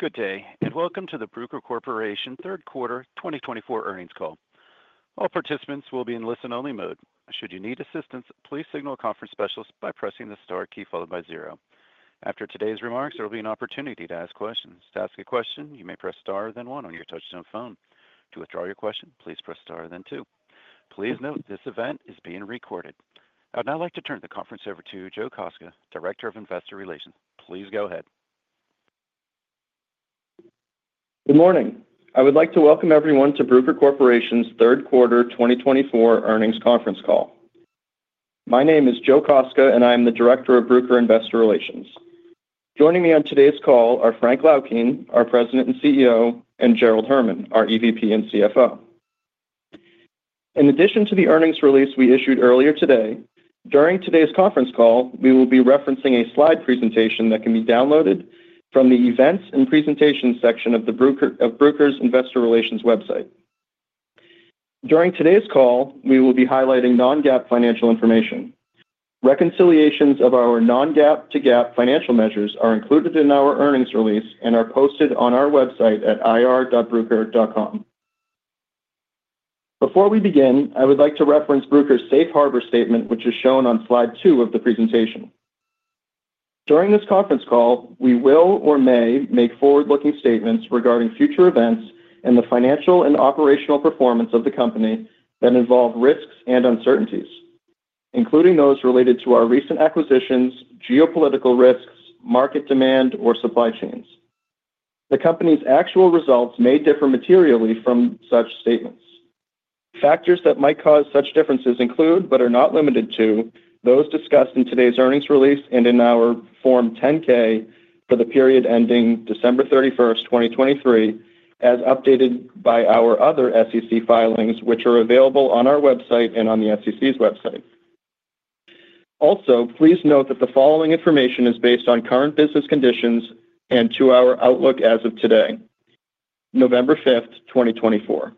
Good day, and welcome to the Bruker Corporation third quarter 2024 earnings call. All participants will be in listen-only mode. Should you need assistance, please signal a conference specialist by pressing the star key followed by zero. After today's remarks, there will be an opportunity to ask questions. To ask a question, you may press star then one on your touch-tone phone. To withdraw your question, please press star then two. Please note this event is being recorded. I'd now like to turn the conference over to Joe Kostka, Director of Investor Relations. Please go ahead. Good morning. I would like to welcome everyone to Bruker Corporation's third quarter 2024 earnings conference call. My name is Joe Kostka, and I am the Director of Bruker Investor Relations. Joining me on today's call are Frank Laukien, our President and CEO, and Gerald Herman, our EVP and CFO. In addition to the earnings release we issued earlier today, during today's conference call, we will be referencing a slide presentation that can be downloaded from the events and presentations section of the Bruker Investor Relations website. During today's call, we will be highlighting non-GAAP financial information. Reconciliations of our non-GAAP to GAAP financial measures are included in our earnings release and are posted on our website at ir.bruker.com. Before we begin, I would like to reference Bruker's Safe Harbor Statement, which is shown on slide two of the presentation. During this conference call, we will or may make forward-looking statements regarding future events and the financial and operational performance of the company that involve risks and uncertainties, including those related to our recent acquisitions, geopolitical risks, market demand, or supply chains. The company's actual results may differ materially from such statements. Factors that might cause such differences include, but are not limited to, those discussed in today's earnings release and in our Form 10-K for the period ending December 31st, 2023, as updated by our other SEC filings, which are available on our website and on the SEC's website. Also, please note that the following information is based on current business conditions and on our outlook as of today, November 5th, 2024.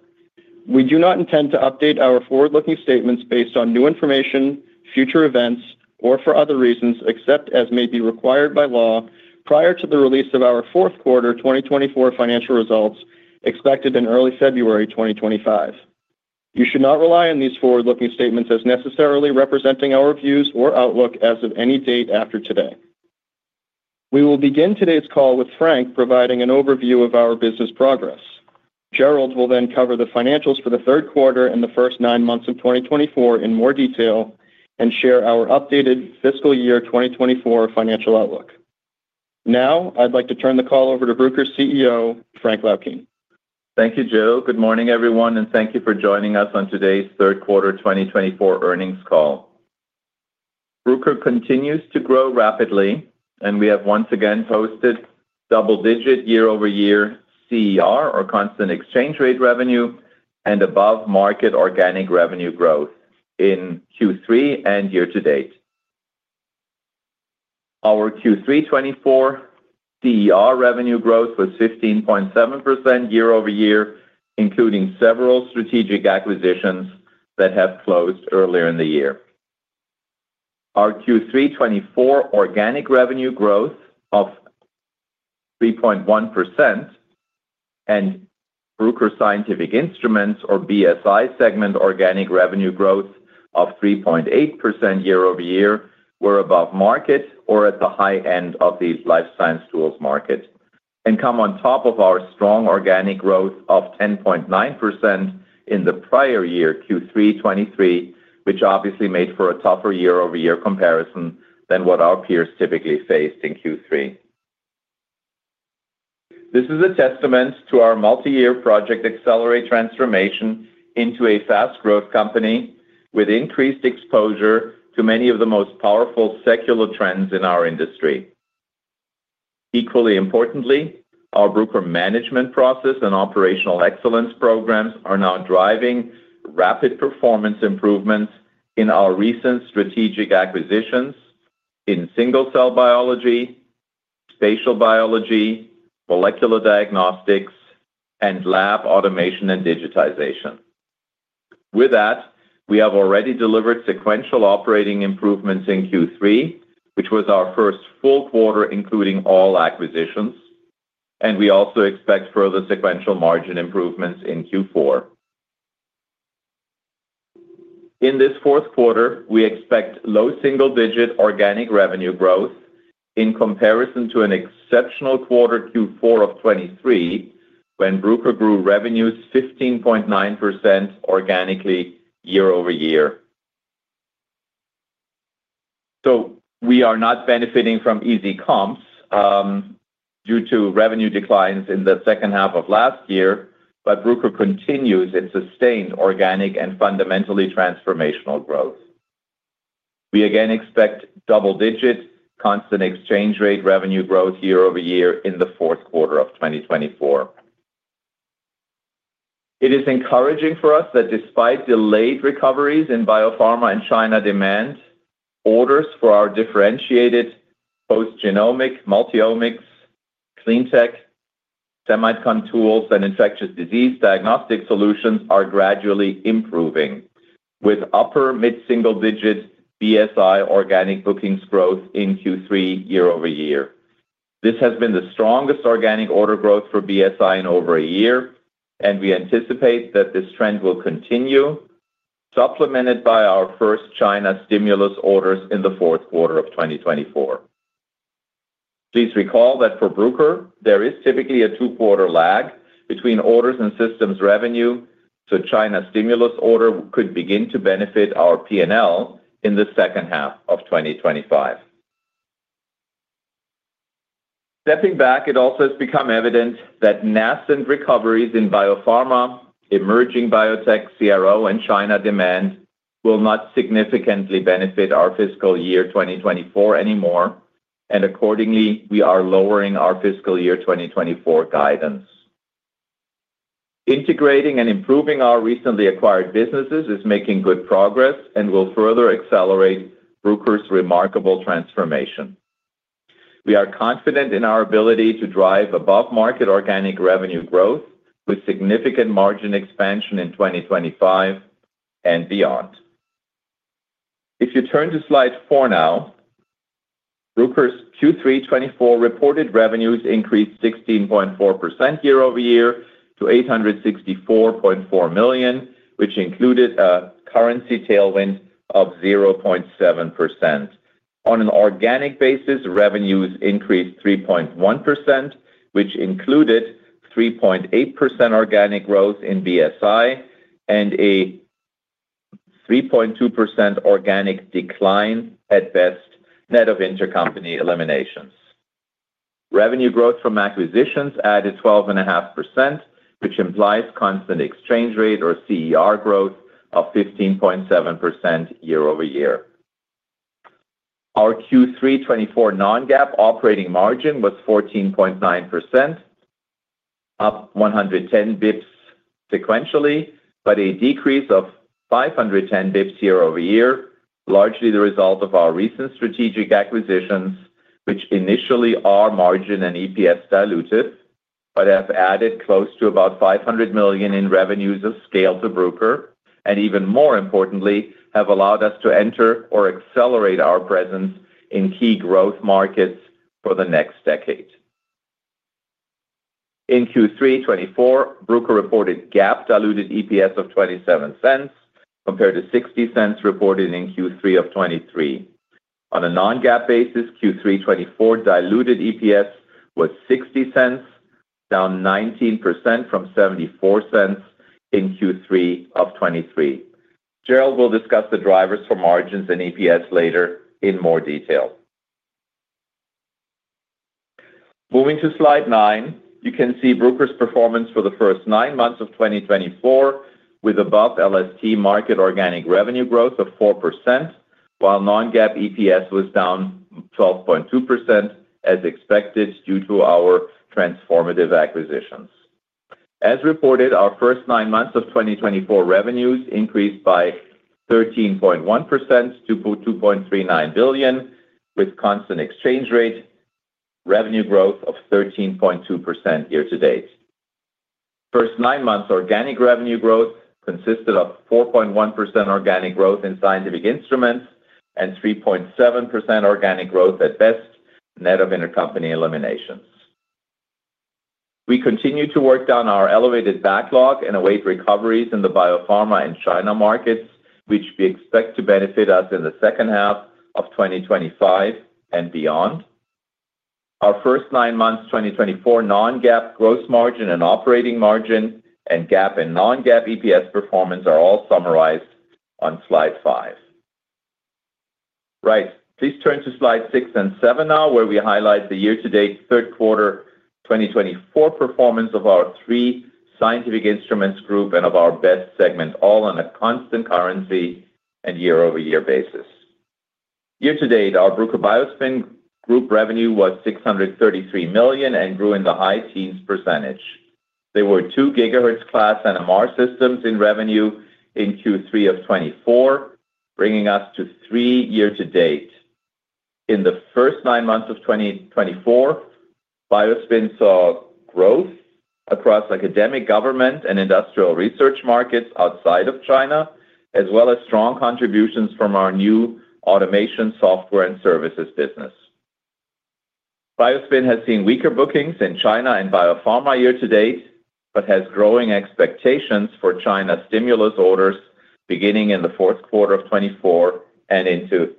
We do not intend to update our forward-looking statements based on new information, future events, or for other reasons except as may be required by law prior to the release of our fourth quarter 2024 financial results expected in early February 2025. You should not rely on these forward-looking statements as necessarily representing our views or outlook as of any date after today. We will begin today's call with Frank providing an overview of our business progress. Gerald will then cover the financials for the third quarter and the first nine months of 2024 in more detail and share our updated fiscal year 2024 financial outlook. Now, I'd like to turn the call over to Bruker's CEO, Frank Laukien. Thank you, Joe. Good morning, everyone, and thank you for joining us on today's third quarter 2024 earnings call. Bruker continues to grow rapidly, and we have once again posted double-digit year-over-year CER, or constant exchange rate revenue, and above-market organic revenue growth in Q3 and year-to-date. Our Q3 2024 CER revenue growth was 15.7% year-over-year, including several strategic acquisitions that have closed earlier in the year. Our Q3 2024 organic revenue growth of 3.1% and Bruker Scientific Instruments, or BSI segment organic revenue growth of 3.8% year-over-year were above market or at the high end of the life science tools market, and come on top of our strong organic growth of 10.9% in the prior year, Q3 2023, which obviously made for a tougher year-over-year comparison than what our peers typically faced in Q3. This is a testament to our multi-year Project Accelerate transformation into a fast-growth company with increased exposure to many of the most powerful secular trends in our industry. Equally importantly, our Bruker Management Process and operational excellence programs are now driving rapid performance improvements in our recent strategic acquisitions in single-cell biology, spatial biology, molecular diagnostics, and lab automation and digitization. With that, we have already delivered sequential operating improvements in Q3, which was our first full quarter including all acquisitions, and we also expect further sequential margin improvements in Q4. In this fourth quarter, we expect low single-digit organic revenue growth in comparison to an exceptional quarter Q4 of 2023 when Bruker grew revenues 15.9% organically year-over-year. So we are not benefiting from easy comps due to revenue declines in the second half of last year, but Bruker continues its sustained organic and fundamentally transformational growth. We again expect double-digit constant exchange rate revenue growth year-over-year in the fourth quarter of 2024. It is encouraging for us that despite delayed recoveries in biopharma and China demand, orders for our differentiated post-genomic multi-omics, cleantech, semiconductor tools, and infectious disease diagnostic solutions are gradually improving, with upper mid-single-digit BSI organic bookings growth in Q3 year-over-year. This has been the strongest organic order growth for BSI in over a year, and we anticipate that this trend will continue, supplemented by our first China stimulus orders in the fourth quarter of 2024. Please recall that for Bruker, there is typically a two-quarter lag between orders and systems revenue, so China stimulus order could begin to benefit our P&L in the second half of 2025. Stepping back, it also has become evident that nascent recoveries in biopharma, emerging biotech, CRO, and China demand will not significantly benefit our fiscal year 2024 anymore, and accordingly, we are lowering our fiscal year 2024 guidance. Integrating and improving our recently acquired businesses is making good progress and will further accelerate Bruker's remarkable transformation. We are confident in our ability to drive above-market organic revenue growth with significant margin expansion in 2025 and beyond. If you turn to slide four now, Bruker's Q3 2024 reported revenues increased 16.4% year-over-year to $864.4 million, which included a currency tailwind of 0.7%. On an organic basis, revenues increased 3.1%, which included 3.8% organic growth in BSI and a 3.2% organic decline at BEST net of intercompany eliminations. Revenue growth from acquisitions added 12.5%, which implies constant exchange rate or CER growth of 15.7% year-over-year. Our Q3 2024 non-GAAP operating margin was 14.9%, up 110 basis points sequentially, but a decrease of 510 basis points year-over-year, largely the result of our recent strategic acquisitions, which initially are margin and EPS diluted, but have added close to about $500 million in revenues of scale to Bruker, and even more importantly, have allowed us to enter or accelerate our presence in key growth markets for the next decade. In Q3 2024, Bruker reported GAAP diluted EPS of $0.27 compared to $0.60 reported in Q3 of 2023. On a non-GAAP basis, Q3 2024 diluted EPS was $0.60, down 19% from $0.74 in Q3 of 2023. Gerald will discuss the drivers for margins and EPS later in more detail. Moving to slide nine, you can see Bruker's performance for the first nine months of 2024 with above LST market organic revenue growth of 4%, while non-GAAP EPS was down 12.2% as expected due to our transformative acquisitions. As reported, our first nine months of 2024 revenues increased by 13.1% to $2.39 billion, with constant exchange rate revenue growth of 13.2% year-to-date. First nine months organic revenue growth consisted of 4.1% organic growth in scientific instruments and 3.7% organic growth at BEST net of intercompany eliminations. We continue to work down our elevated backlog and await recoveries in the biopharma and China markets, which we expect to benefit us in the second half of 2025 and beyond. Our first nine months 2024 non-GAAP gross margin and operating margin and GAAP and non-GAAP EPS performance are all summarized on slide five. Right, please turn to slide six and seven now, where we highlight the year-to-date third quarter 2024 performance of our BSI and of our BEST segment, all on a constant currency and year-over-year basis. Year-to-date, our Bruker BioSpin group revenue was $633 million and grew in the high teens percentage. There were two gigahertz-class NMR systems in revenue in Q3 of 2024, bringing us to three year-to-date. In the first nine months of 2024, BioSpin saw growth across academic, government, and industrial research markets outside of China, as well as strong contributions from our new automation software and services business. BioSpin has seen weaker bookings in China and biopharma year-to-date, but has growing expectations for China stimulus orders beginning in the fourth quarter of 2024 and into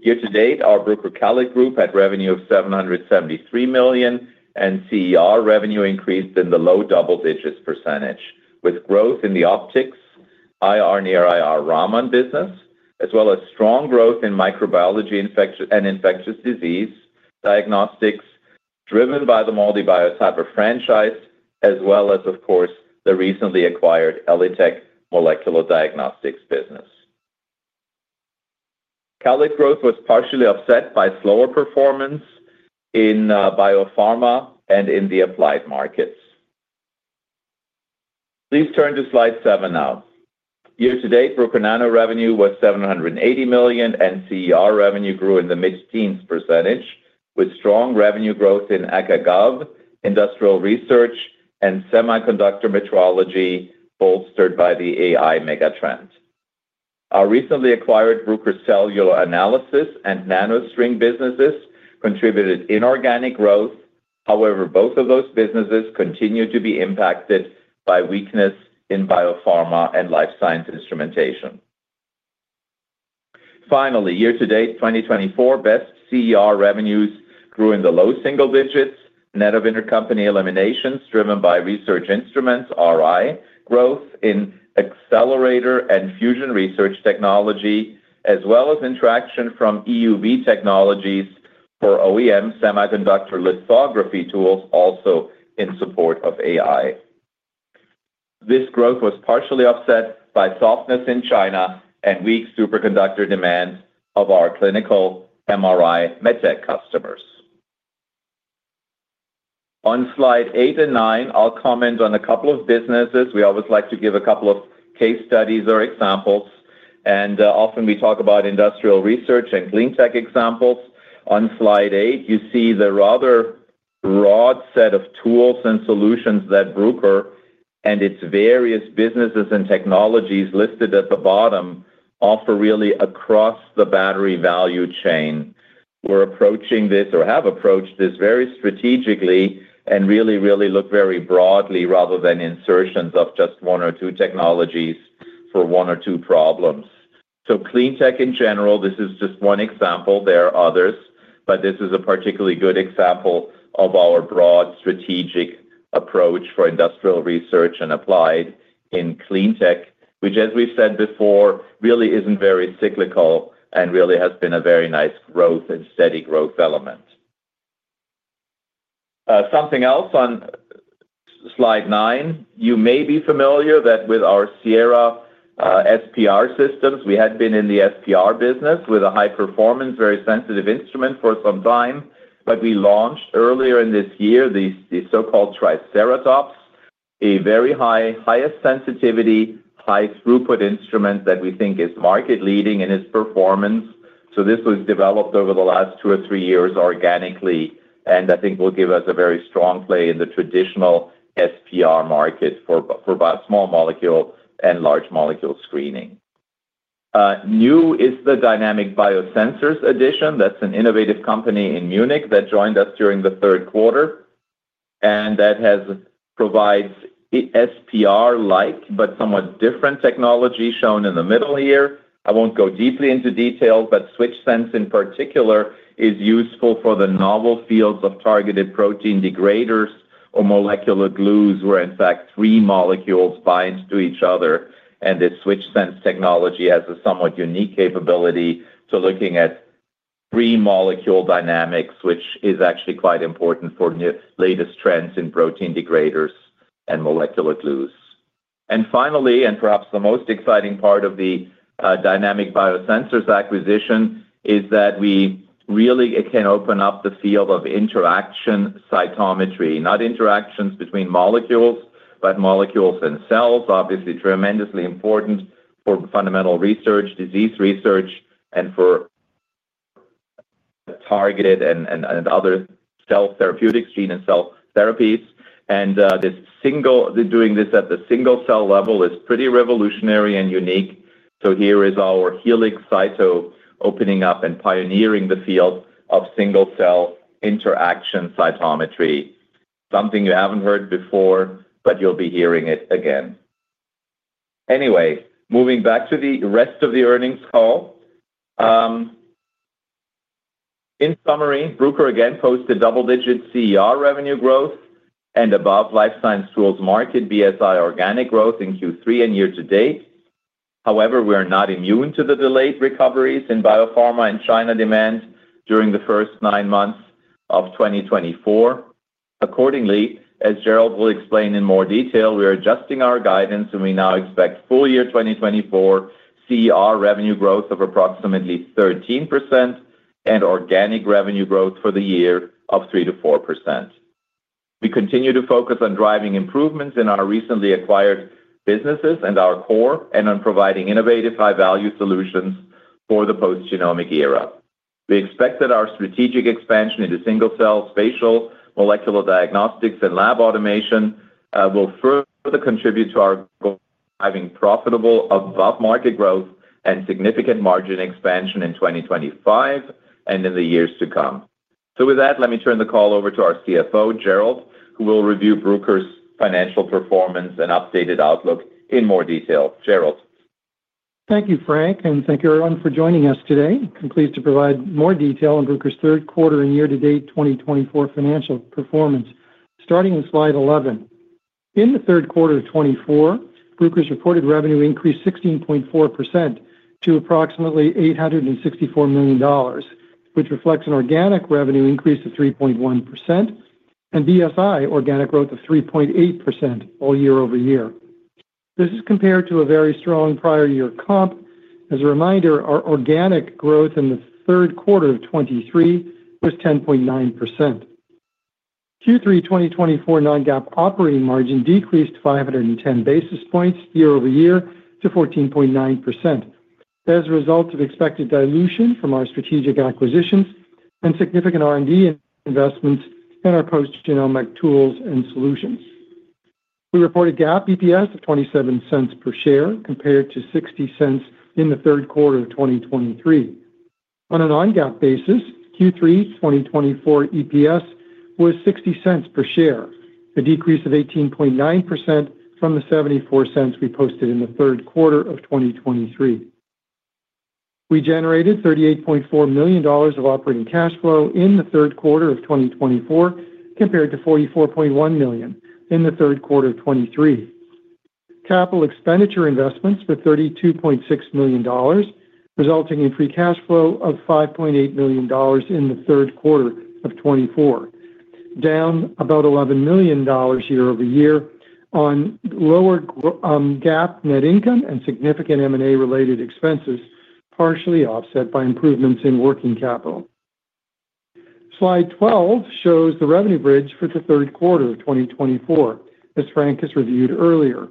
2025. Year-to-date, our Bruker CALID group had revenue of $773 million, and CER revenue increased in the low double-digits percentage, with growth in the optics, IR near IR Raman business, as well as strong growth in microbiology and infectious disease diagnostics driven by the MALDI Biotyper franchise, as well as, of course, the recently acquired ELITechGroup molecular diagnostics business. CALID growth was partially offset by slower performance in biopharma and in the applied markets. Please turn to slide seven now. Year-to-date, Bruker Nano revenue was $780 million, and CER revenue grew in the mid-teens percentage, with strong revenue growth in Academic/Government, industrial research, and semiconductor metrology bolstered by the AI megatrend. Our recently acquired Bruker Cellular Analysis and NanoString businesses contributed inorganic growth; however, both of those businesses continued to be impacted by weakness in biopharma and life science instrumentation. Finally, year-to-date 2024 BEST CER revenues grew in the low single digits, net of intercompany eliminations driven by research instruments RI growth in accelerator and fusion research technology, as well as traction from EUV technologies for OEM semiconductor lithography tools, also in support of AI. This growth was partially offset by softness in China and weak superconductor demand of our clinical MRI medtech customers. On slide eight and nine, I'll comment on a couple of businesses. We always like to give a couple of case studies or examples, and often we talk about industrial research and cleantech examples. On slide eight, you see the rather broad set of tools and solutions that Bruker and its various businesses and technologies listed at the bottom offer really across the battery value chain. We're approaching this, or have approached this, very strategically and really really look very broadly rather than insertions of just one or two technologies for one or two problems, so cleantech in general, this is just one example. There are others, but this is a particularly good example of our broad strategic approach for industrial research and applied in cleantech, which, as we've said before, really isn't very cyclical and really has been a very nice growth and steady growth element. Something else on slide nine, you may be familiar with our Sierra SPR systems. We had been in the SPR business with a high-performance, very sensitive instrument for some time, but we launched earlier in this year the so-called Triceratops, a very high, highest sensitivity, high throughput instrument that we think is market-leading in its performance. So this was developed over the last two or three years organically, and I think will give us a very strong play in the traditional SPR market for both small molecule and large molecule screening. New is the Dynamic Biosensors addition. That's an innovative company in Munich that joined us during the third quarter, and that provides SPR-like but somewhat different technology shown in the middle here. I won't go deeply into detail, but switchSENSE in particular is useful for the novel fields of targeted protein degraders or molecular glues where, in fact, three molecules bind to each other, and this switchSENSE technology has a somewhat unique capability to looking at three molecule dynamics, which is actually quite important for the latest trends in protein degraders and molecular glues. And finally, and perhaps the most exciting part of the Dynamic Biosensors acquisition is that we really can open up the field of interaction cytometry, not interactions between molecules, but molecules and cells, obviously tremendously important for fundamental research, disease research, and for targeted and other cell therapeutics, gene and cell therapies. And doing this at the single cell level is pretty revolutionary and unique. So here is our heliX cyto, opening up and pioneering the field of single cell interaction cytometry, something you haven't heard before, but you'll be hearing it again. Anyway, moving back to the rest of the earnings call. In summary, Bruker again posted double-digit CER revenue growth and above life science tools market BSI organic growth in Q3 and year-to-date. However, we are not immune to the delayed recoveries in biopharma and China demand during the first nine months of 2024. Accordingly, as Gerald will explain in more detail, we are adjusting our guidance, and we now expect full year 2024 CER revenue growth of approximately 13% and organic revenue growth for the year of 3%-4%. We continue to focus on driving improvements in our recently acquired businesses and our core, and on providing innovative high-value solutions for the post-genomic era. We expect that our strategic expansion into single cell spatial molecular diagnostics and lab automation will further contribute to our goal of driving profitable above-market growth and significant margin expansion in 2025 and in the years to come. So with that, let me turn the call over to our CFO, Gerald, who will review Bruker's financial performance and updated outlook in more detail. Gerald. Thank you, Frank, and thank you, everyone, for joining us today. I'm pleased to provide more detail on Bruker's third quarter and year-to-date 2024 financial performance. Starting with slide 11, in the third quarter of 2024, Bruker's reported revenue increased 16.4% to approximately $864 million, which reflects an organic revenue increase of 3.1% and BSI organic growth of 3.8% all year-over-year. This is compared to a very strong prior year comp. As a reminder, our organic growth in the third quarter of 2023 was 10.9%. Q3 2024 non-GAAP operating margin decreased 510 basis points year-over-year to 14.9% as a result of expected dilution from our strategic acquisitions and significant R&D investments in our post-genomic tools and solutions. We reported GAAP EPS of $0.27 per share compared to $0.60 in the third quarter of 2023. On a non-GAAP basis, Q3 2024 EPS was $0.60 per share, a decrease of 18.9% from the $0.74 we posted in the third quarter of 2023. We generated $38.4 million of operating cash flow in the third quarter of 2024 compared to $44.1 million in the third quarter of 2023. Capital expenditure investments were $32.6 million, resulting in free cash flow of $5.8 million in the third quarter of 2024, down about $11 million year-over-year on lower GAAP net income and significant M&A-related expenses, partially offset by improvements in working capital. Slide 12 shows the revenue bridge for the third quarter of 2024, as Frank has reviewed earlier.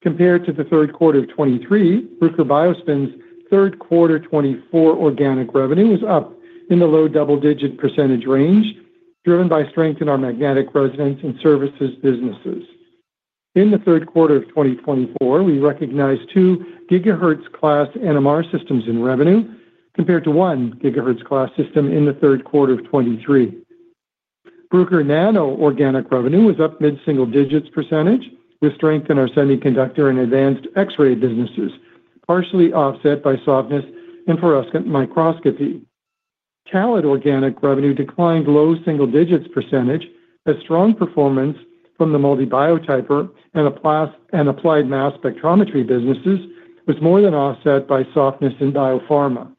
Compared to the third quarter of 2023, Bruker BioSpin's third quarter 2024 organic revenue was up in the low double-digit percentage range, driven by strength in our magnetic resonance and services businesses. In the third quarter of 2024, we recognized two gigahertz-class NMR systems in revenue compared to one gigahertz-class system in the third quarter of 2023. Bruker Nano organic revenue was up mid-single-digits percentage, with strength in our semiconductor and advanced X-ray businesses, partially offset by softness in fluorescence microscopy. CALID organic revenue declined low-single-digits percentage, as strong performance from the MALDI Biotyper and applied mass spectrometry businesses was more than offset by softness in biopharma.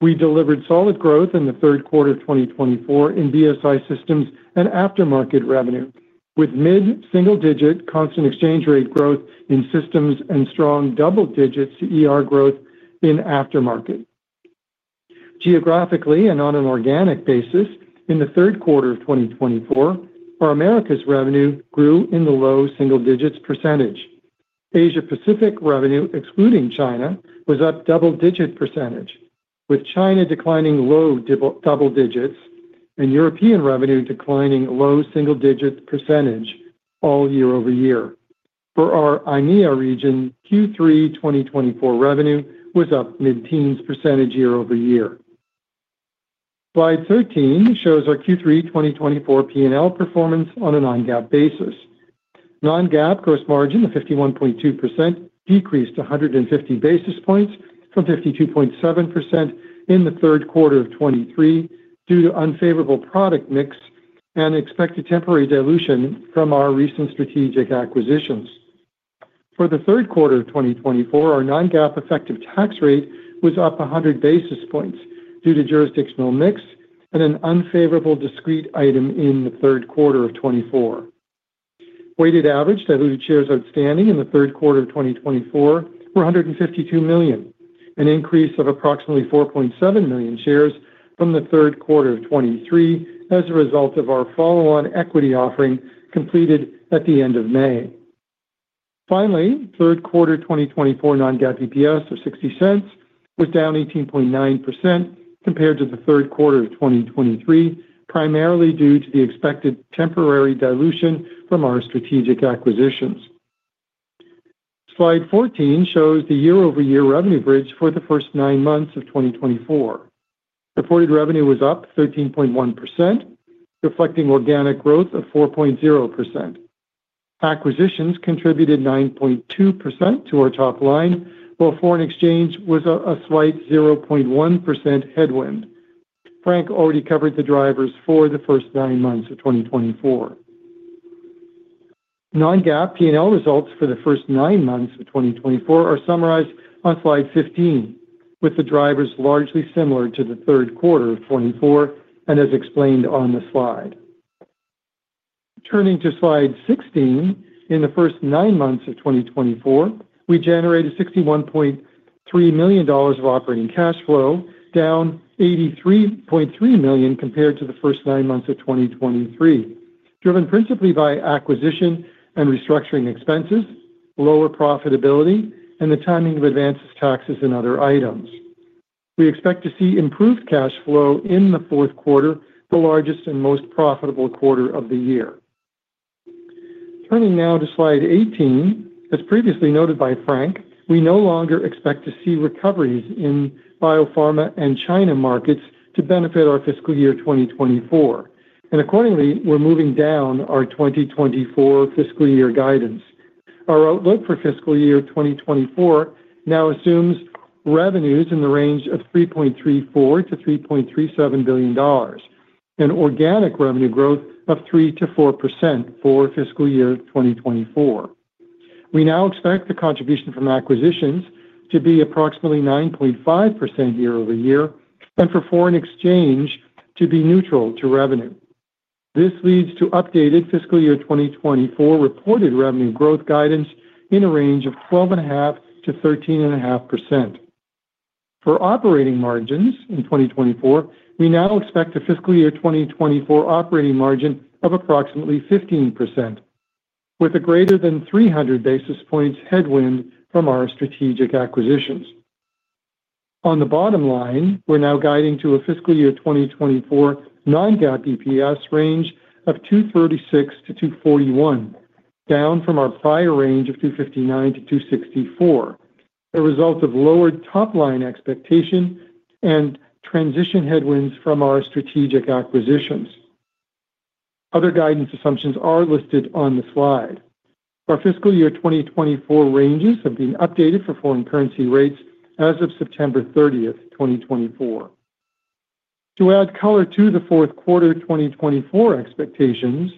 We delivered solid growth in the third quarter of 2024 in BSI systems and aftermarket revenue, with mid-single-digit constant exchange rate growth in systems and strong double-digit CER growth in aftermarket. Geographically and on an organic basis, in the third quarter of 2024, our Americas revenue grew low-single-digits percentage. Asia-Pacific revenue, excluding China, was up double-digit percentage, with China declining low double digits and European revenue declining low single-digit percentage all year-over-year. For our IMEA region, Q3 2024 revenue was up mid-teens percentage year-over-year. Slide 13 shows our Q3 2024 P&L performance on a non-GAAP basis. Non-GAAP gross margin of 51.2% decreased 150 basis points from 52.7% in the third quarter of 2023 due to unfavorable product mix and expected temporary dilution from our recent strategic acquisitions. For the third quarter of 2024, our non-GAAP effective tax rate was up 100 basis points due to jurisdictional mix and an unfavorable discrete item in the third quarter of 2024. Weighted average diluted shares outstanding in the third quarter of 2024 were 152 million, an increase of approximately 4.7 million shares from the third quarter of 2023 as a result of our follow-on equity offering completed at the end of May. Finally, third quarter 2024 non-GAAP EPS of $0.60 was down 18.9% compared to the third quarter of 2023, primarily due to the expected temporary dilution from our strategic acquisitions. Slide 14 shows the year-over-year revenue bridge for the first nine months of 2024. Reported revenue was up 13.1%, reflecting organic growth of 4.0%. Acquisitions contributed 9.2% to our top line, while foreign exchange was a slight 0.1% headwind. Frank already covered the drivers for the first nine months of 2024. Non-GAAP P&L results for the first nine months of 2024 are summarized on slide 15, with the drivers largely similar to the third quarter of 2024 and as explained on the slide. Turning to slide 16, in the first nine months of 2024, we generated $61.3 million of operating cash flow, down $83.3 million compared to the first nine months of 2023, driven principally by acquisition and restructuring expenses, lower profitability, and the timing of advance taxes and other items. We expect to see improved cash flow in the fourth quarter, the largest and most profitable quarter of the year. Turning now to slide 18, as previously noted by Frank, we no longer expect to see recoveries in biopharma and China markets to benefit our fiscal year 2024, and accordingly, we're moving down our 2024 fiscal year guidance. Our outlook for fiscal year 2024 now assumes revenues in the range of $3.34 billion-$3.37 billion and organic revenue growth of 3%-4% for fiscal year 2024. We now expect the contribution from acquisitions to be approximately 9.5% year-over-year and for foreign exchange to be neutral to revenue. This leads to updated fiscal year 2024 reported revenue growth guidance in a range of 12.5%-13.5%. For operating margins in 2024, we now expect the fiscal year 2024 operating margin of approximately 15%, with a greater than 300 basis points headwind from our strategic acquisitions. On the bottom line, we're now guiding to a fiscal year 2024 non-GAAP EPS range of 236-241, down from our prior range of 259-264, a result of lowered top line expectation and transition headwinds from our strategic acquisitions. Other guidance assumptions are listed on the slide. Our fiscal year 2024 ranges have been updated for foreign currency rates as of September 30th, 2024. To add color to the fourth quarter 2024 expectations,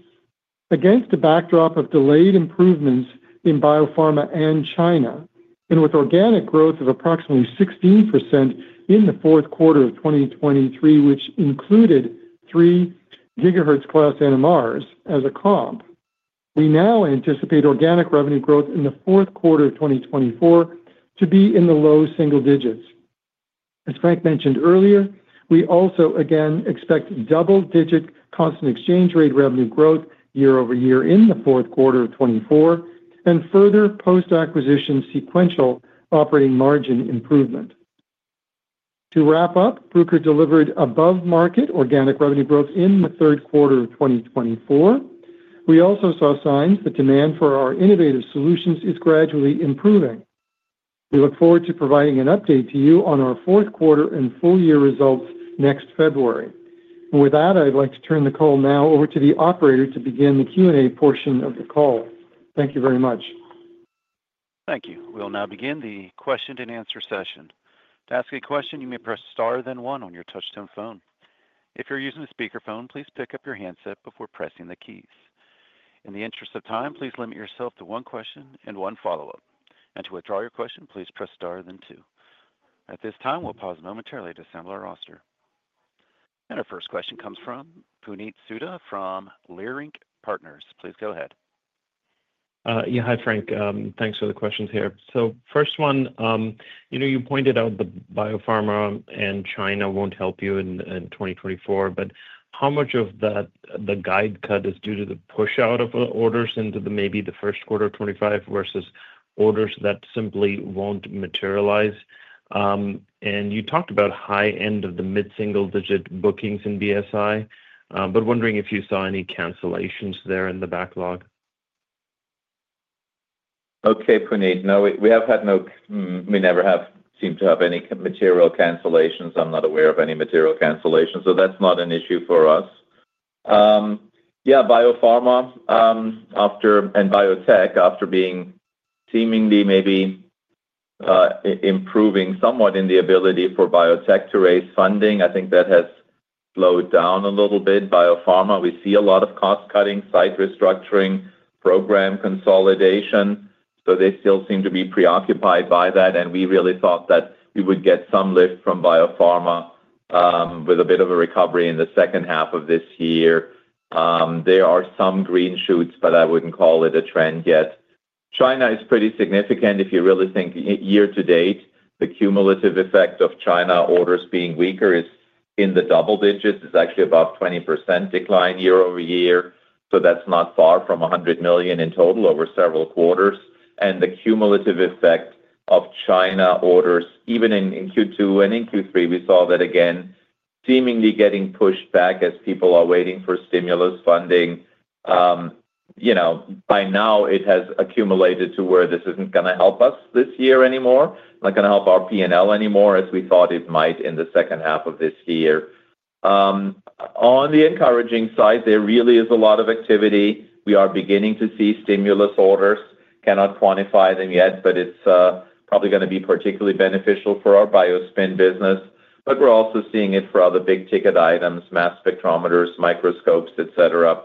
against a backdrop of delayed improvements in biopharma and China, and with organic growth of approximately 16% in the fourth quarter of 2023, which included three gigahertz-class NMRs as a comp, we now anticipate organic revenue growth in the fourth quarter of 2024 to be in the low single digits. As Frank mentioned earlier, we also again expect double-digit constant exchange rate revenue growth year-over-year in the fourth quarter of 2024, and further post-acquisition sequential operating margin improvement. To wrap up, Bruker delivered above-market organic revenue growth in the third quarter of 2024. We also saw signs that demand for our innovative solutions is gradually improving. We look forward to providing an update to you on our fourth quarter and full year results next February. With that, I'd like to turn the call now over to the operator to begin the Q&A portion of the call. Thank you very much. Thank you. We'll now begin the question-and-answer session. To ask a question, you may press star then one on your touch-tone phone. If you're using a speakerphone, please pick up your handset before pressing the keys. In the interest of time, please limit yourself to one question and one follow-up. To withdraw your question, please press star then two. At this time, we'll pause momentarily to assemble our roster. Our first question comes from Puneet Souda from Leerink Partners. Please go ahead. Yeah, hi, Frank. Thanks for the questions here. First one, you pointed out the biopharma and China won't help you in 2024, but how much of the guide cut is due to the push-out of orders into maybe the first quarter of 2025 versus orders that simply won't materialize? And you talked about high-end of the mid-single digit bookings in BSI, but wondering if you saw any cancellations there in the backlog. Okay, Puneet. No, we have had no. We never have seemed to have any material cancellations. I'm not aware of any material cancellations, so that's not an issue for us. Yeah, biopharma and biotech, after being seemingly maybe improving somewhat in the ability for biotech to raise funding, I think that has slowed down a little bit. Biopharma, we see a lot of cost-cutting, site restructuring, program consolidation, so they still seem to be preoccupied by that. We really thought that we would get some lift from biopharma with a bit of a recovery in the second half of this year. There are some green shoots, but I wouldn't call it a trend yet. China is pretty significant. If you really think year-to-date, the cumulative effect of China orders being weaker is in the double digits. It's actually about 20% decline year-over-year. That's not far from $100 million in total over several quarters. The cumulative effect of China orders, even in Q2 and in Q3, we saw that again seemingly getting pushed back as people are waiting for stimulus funding. By now, it has accumulated to where this isn't going to help us this year anymore, not going to help our P&L anymore, as we thought it might in the second half of this year. On the encouraging side, there really is a lot of activity. We are beginning to see stimulus orders. Cannot quantify them yet, but it's probably going to be particularly beneficial for our BioSpin business. But we're also seeing it for other big-ticket items, mass spectrometers, microscopes, etc.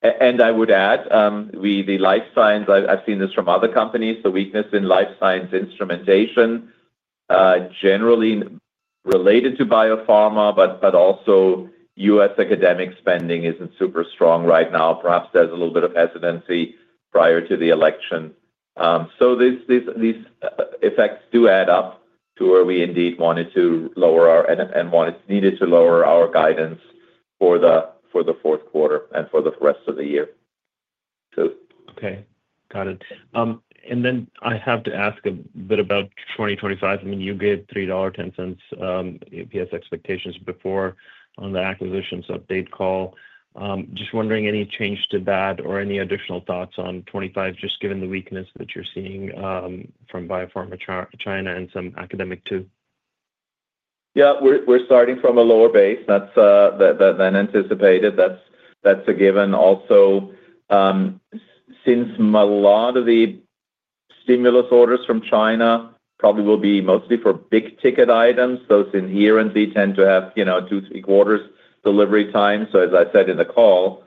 And I would add, the life science, I've seen this from other companies, the weakness in life science instrumentation generally related to biopharma, but also U.S. academic spending isn't super strong right now. Perhaps there's a little bit of hesitancy prior to the election. So these effects do add up to where we indeed wanted to lower our, and needed to lower our guidance for the fourth quarter and for the rest of the year. Okay. Got it. And then I have to ask a bit about 2025. I mean, you gave $3.10 EPS expectations before on the acquisitions update call. Just wondering, any change to that or any additional thoughts on 2025, just given the weakness that you're seeing from biopharma, China, and some academic too? Yeah, we're starting from a lower base. That's than anticipated. That's a given. Also, since a lot of the stimulus orders from China probably will be mostly for big-ticket items, those inherently tend to have two, three quarters delivery time. So as I said in the call,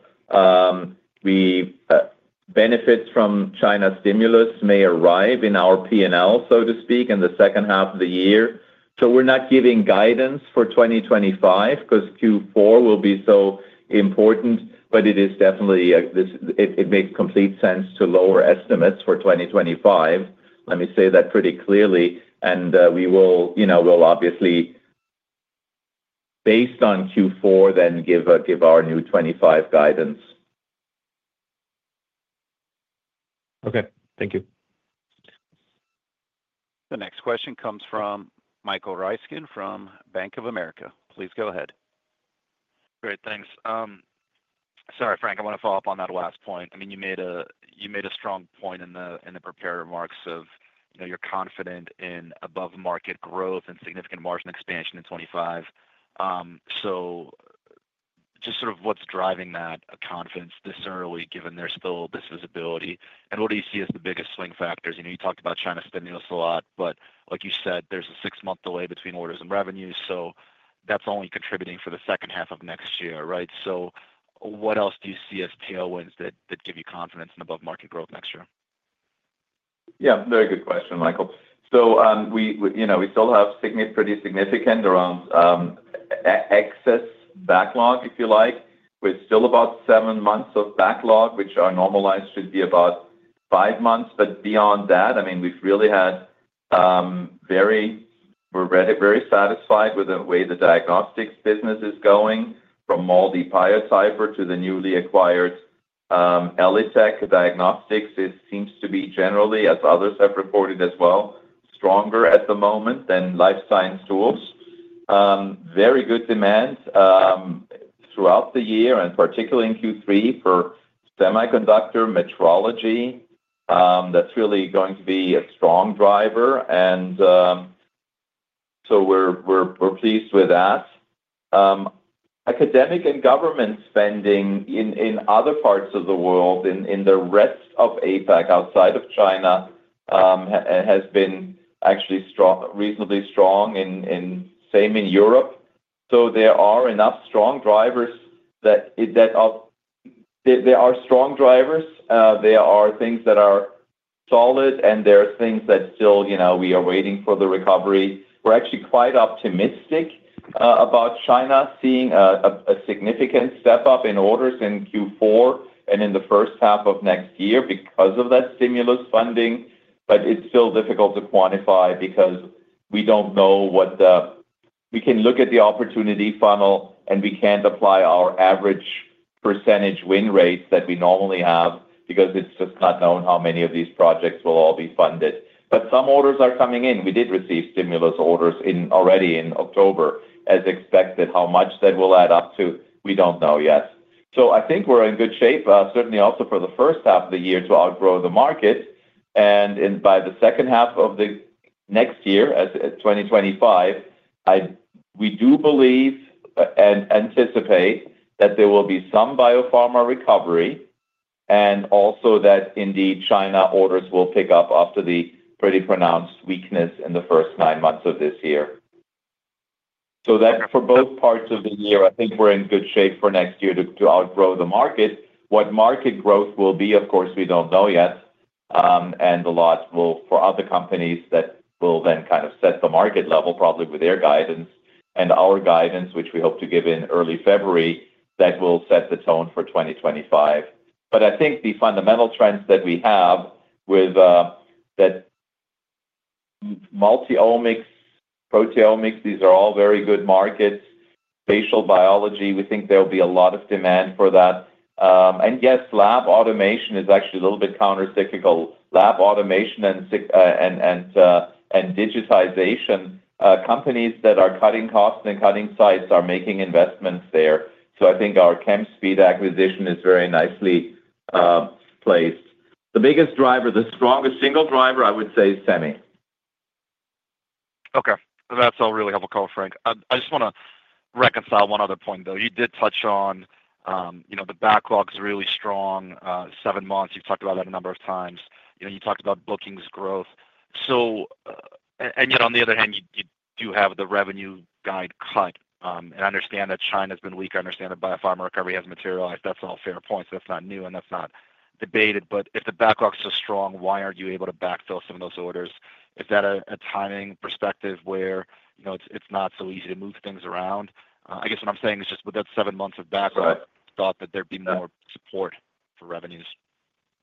benefits from China stimulus may arrive in our P&L, so to speak, in the second half of the year. So we're not giving guidance for 2025 because Q4 will be so important, but it is definitely, it makes complete sense to lower estimates for 2025. Let me say that pretty clearly, and we will obviously, based on Q4, then give our new 2025 guidance. Okay. Thank you. The next question comes from Michael Ryskin from Bank of America. Please go ahead. Great. Thanks. Sorry, Frank, I want to follow up on that last point. I mean, you made a strong point in the prepared remarks of you're confident in above-market growth and significant margin expansion in 2025. So just sort of what's driving that confidence this early, given there's still this visibility? And what do you see as the biggest swing factors? You talked about China's spending a lot, but like you said, there's a six-month delay between orders and revenues, so that's only contributing for the second half of next year, right? So what else do you see as tailwinds that give you confidence in above-market growth next year? Yeah, very good question, Michael. So we still have pretty significant excess backlog, if you like. We're still about seven months of backlog, which our normalized should be about five months. But beyond that, I mean, we're very satisfied with the way the diagnostics business is going, from MALDI Biotyper to the newly acquired ELITech Diagnostics. It seems to be generally, as others have reported as well, stronger at the moment than life science tools. Very good demand throughout the year, and particularly in Q3 for semiconductor metrology. That's really going to be a strong driver. And so we're pleased with that. Academic and government spending in other parts of the world, in the rest of APAC outside of China, has been actually reasonably strong, same in Europe. So there are enough strong drivers. There are things that are solid, and there are things that still we are waiting for the recovery. We're actually quite optimistic about China seeing a significant step up in orders in Q4 and in the first half of next year because of that stimulus funding. But it's still difficult to quantify because we don't know what we can look at the opportunity funnel, and we can't apply our average percentage win rates that we normally have because it's just not known how many of these projects will all be funded. But some orders are coming in. We did receive stimulus orders already in October. As expected, how much that will add up to, we don't know yet. So I think we're in good shape, certainly also for the first half of the year to outgrow the market. By the second half of next year, in 2025, we do believe and anticipate that there will be some biopharma recovery and also that indeed China orders will pick up after the pretty pronounced weakness in the first nine months of this year. So that for both parts of the year, I think we're in good shape for next year to outgrow the market. What market growth will be, of course, we don't know yet. And a lot will depend on other companies that will then kind of set the market level probably with their guidance and our guidance, which we hope to give in early February, that will set the tone for 2025. But I think the fundamental trends that we have with that multi-omics, proteomics, these are all very good markets. Spatial biology, we think there will be a lot of demand for that. And yes, lab automation is actually a little bit countercyclical. Lab automation and digitization, companies that are cutting costs and cutting sites are making investments there. So I think our Chemspeed acquisition is very nicely placed. The biggest driver, the strongest single driver, I would say is semi. Okay. That's all really helpful color, Frank. I just want to reconcile one other point, though. You did touch on the backlog is really strong, seven months. You've talked about that a number of times. You talked about bookings growth. And yet on the other hand, you do have the revenue guide cut. And I understand that China has been weak. I understand that biopharma recovery has materialized. That's all fair points. That's not new, and that's not debated. But if the backlog's so strong, why aren't you able to backfill some of those orders? Is that a timing perspective where it's not so easy to move things around? I guess what I'm saying is just with that seven months of backlog, thought that there'd be more support for revenues.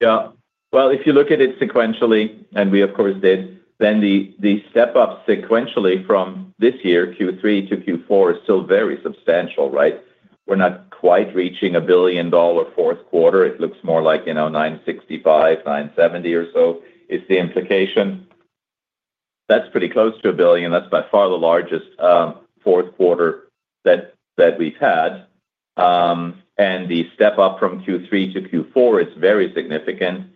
Yeah. Well, if you look at it sequentially, and we, of course, did, then the step-up sequentially from this year, Q3 to Q4, is still very substantial, right? We're not quite reaching a $1 billion fourth quarter. It looks more like $965 million-$970 million or so is the implication. That's pretty close to a billion. That's by far the largest fourth quarter that we've had. And the step-up from Q3 to Q4 is very significant.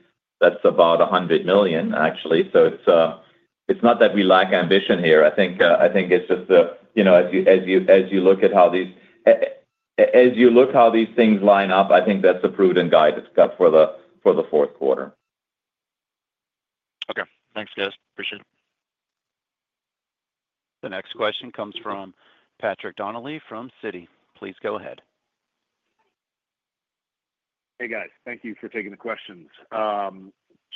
That's about $100 million, actually. So it's not that we lack ambition here. I think it's just that as you look at how these things line up, I think that's a prudent guide for the fourth quarter. Okay. Thanks, guys. Appreciate it. The next question comes from Patrick Donnelly from Citi. Please go ahead. Hey, guys. Thank you for taking the questions.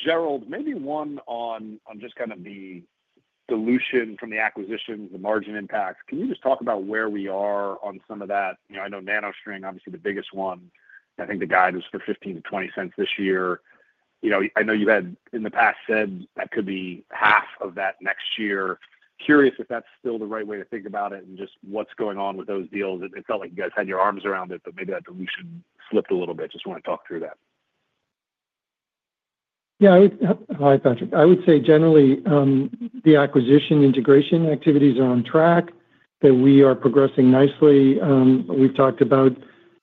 Gerald, maybe one on just kind of the dilution from the acquisitions, the margin impacts. Can you just talk about where we are on some of that? I know NanoString, obviously the biggest one, I think the guide was for $0.15-$0.20 cents this year. I know you had in the past said that could be half of that next year. Curious if that's still the right way to think about it and just what's going on with those deals. It felt like you guys had your arms around it, but maybe that dilution slipped a little bit. Just want to talk through that. Yeah. Hi, Patrick. I would say generally the acquisition integration activities are on track, that we are progressing nicely. We've talked about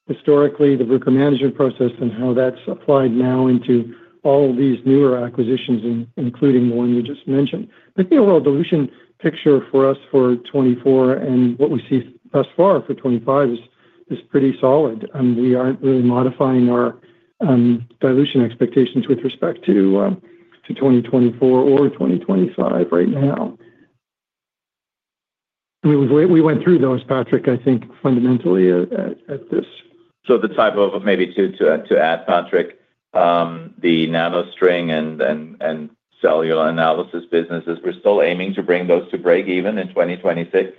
historically the Bruker Management Process and how that's applied now into all of these newer acquisitions, including the one you just mentioned. But the overall dilution picture for us for 2024 and what we see thus far for 2025 is pretty solid. We aren't really modifying our dilution expectations with respect to 2024 or 2025 right now. We went through those, Patrick, I think, fundamentally at this. So the type of maybe to add, Patrick, the NanoString and cellular analysis businesses, we're still aiming to bring those to break even in 2026.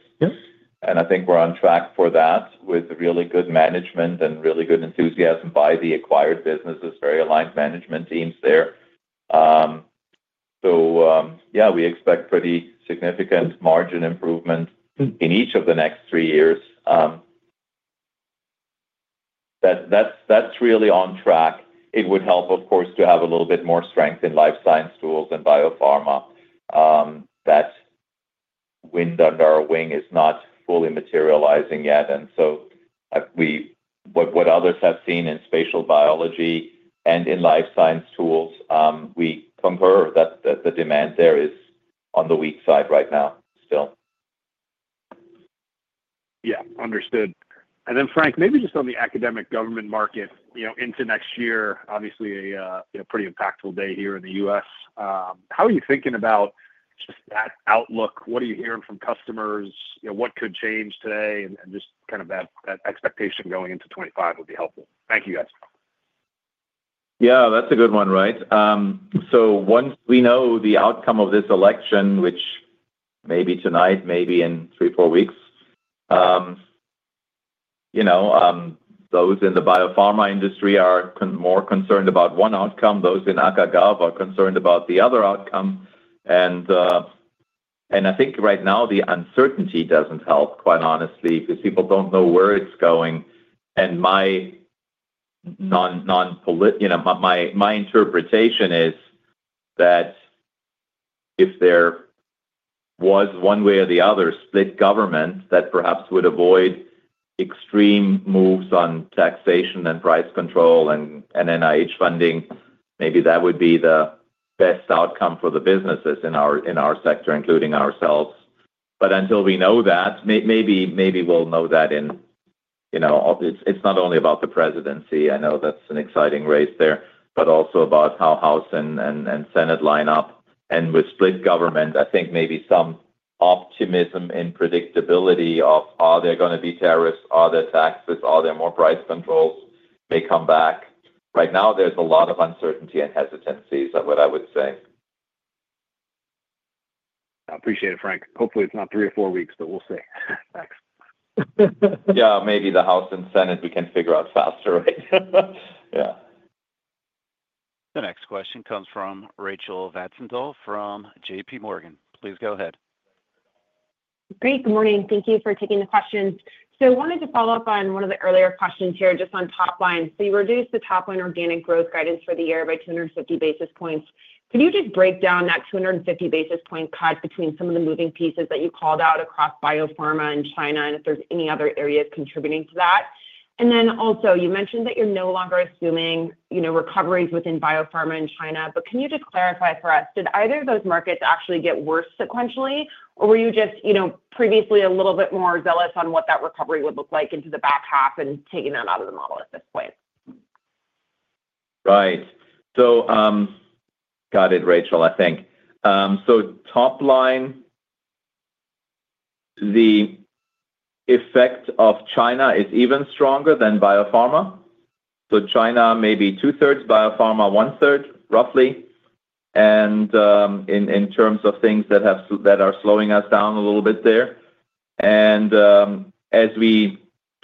And I think we're on track for that with really good management and really good enthusiasm by the acquired businesses, very aligned management teams there. So yeah, we expect pretty significant margin improvement in each of the next three years. That's really on track. It would help, of course, to have a little bit more strength in life science tools and biopharma. That wind under our wing is not fully materializing yet. And so what others have seen in spatial biology and in life science tools, we concur that the demand there is on the weak side right now still. Yeah. Understood. And then, Frank, maybe just on the academic government market into next year, obviously a pretty impactful day here in the U.S. How are you thinking about just that outlook? What are you hearing from customers? What could change today? And just kind of that expectation going into 2025 would be helpful. Thank you, guys. Yeah, that's a good one, right? So once we know the outcome of this election, which may be tonight, maybe in three, four weeks, those in the biopharma industry are more concerned about one outcome. Those in Academic/Government are concerned about the other outcome. I think right now the uncertainty doesn't help, quite honestly, because people don't know where it's going. My interpretation is that if there was one way or the other split government that perhaps would avoid extreme moves on taxation and price control and NIH funding, maybe that would be the best outcome for the businesses in our sector, including ourselves, but until we know that, maybe we'll know that. It's not only about the presidency. I know that's an exciting race there, but also about how House and Senate line up. With split government, I think maybe some optimism in predictability of, are there going to be tariffs? Are there taxes? Are there more price controls? May come back. Right now, there's a lot of uncertainty and hesitancy, is what I would say. I appreciate it, Frank. Hopefully, it's not three or four weeks, but we'll see. Yeah, maybe the House and Senate, we can figure out faster, right? Yeah. The next question comes from Rachel Vatnsdal from JPMorgan. Please go ahead. Great. Good morning. Thank you for taking the questions. So I wanted to follow up on one of the earlier questions here, just on top line. So you reduced the top line organic growth guidance for the year by 250 basis points. Can you just break down that 250 basis point cut between some of the moving pieces that you called out across biopharma in China and if there's any other areas contributing to that? And then also, you mentioned that you're no longer assuming recoveries within biopharma in China, but can you just clarify for us? Did either of those markets actually get worse sequentially, or were you just previously a little bit more zealous on what that recovery would look like into the back half and taking that out of the model at this point? Right. So got it, Rachel, I think. So top line, the effect of China is even stronger than biopharma. So China maybe two-thirds, biopharma one-third, roughly, and in terms of things that are slowing us down a little bit there. And as we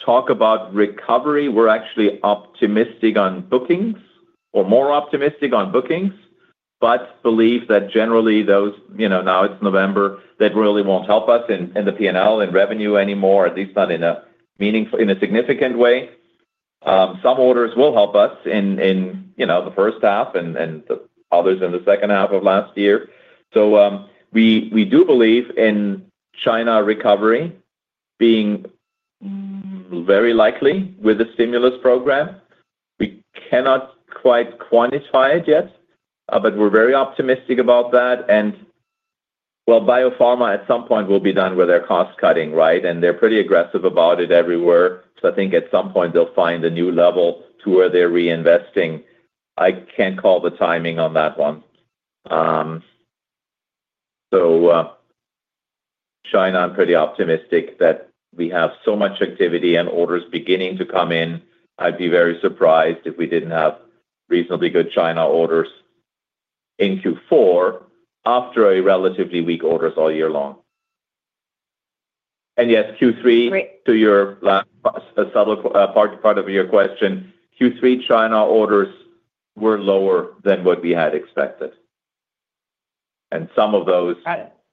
talk about recovery, we're actually optimistic on bookings or more optimistic on bookings, but believe that generally those now it's November, that really won't help us in the P&L and revenue anymore, at least not in a significant way. Some orders will help us in the first half and others in the second half of last year. So we do believe in China recovery being very likely with the stimulus program. We cannot quite quantify it yet, but we're very optimistic about that. And well, biopharma at some point will be done with their cost cutting, right? And they're pretty aggressive about it everywhere. So I think at some point they'll find a new level to where they're reinvesting. I can't call the timing on that one. So China I'm pretty optimistic that we have so much activity and orders beginning to come in. I'd be very surprised if we didn't have reasonably good China orders in Q4 after a relatively weak orders all year long. And yes, Q3, to your last part of your question, Q3 China orders were lower than what we had expected. And some of those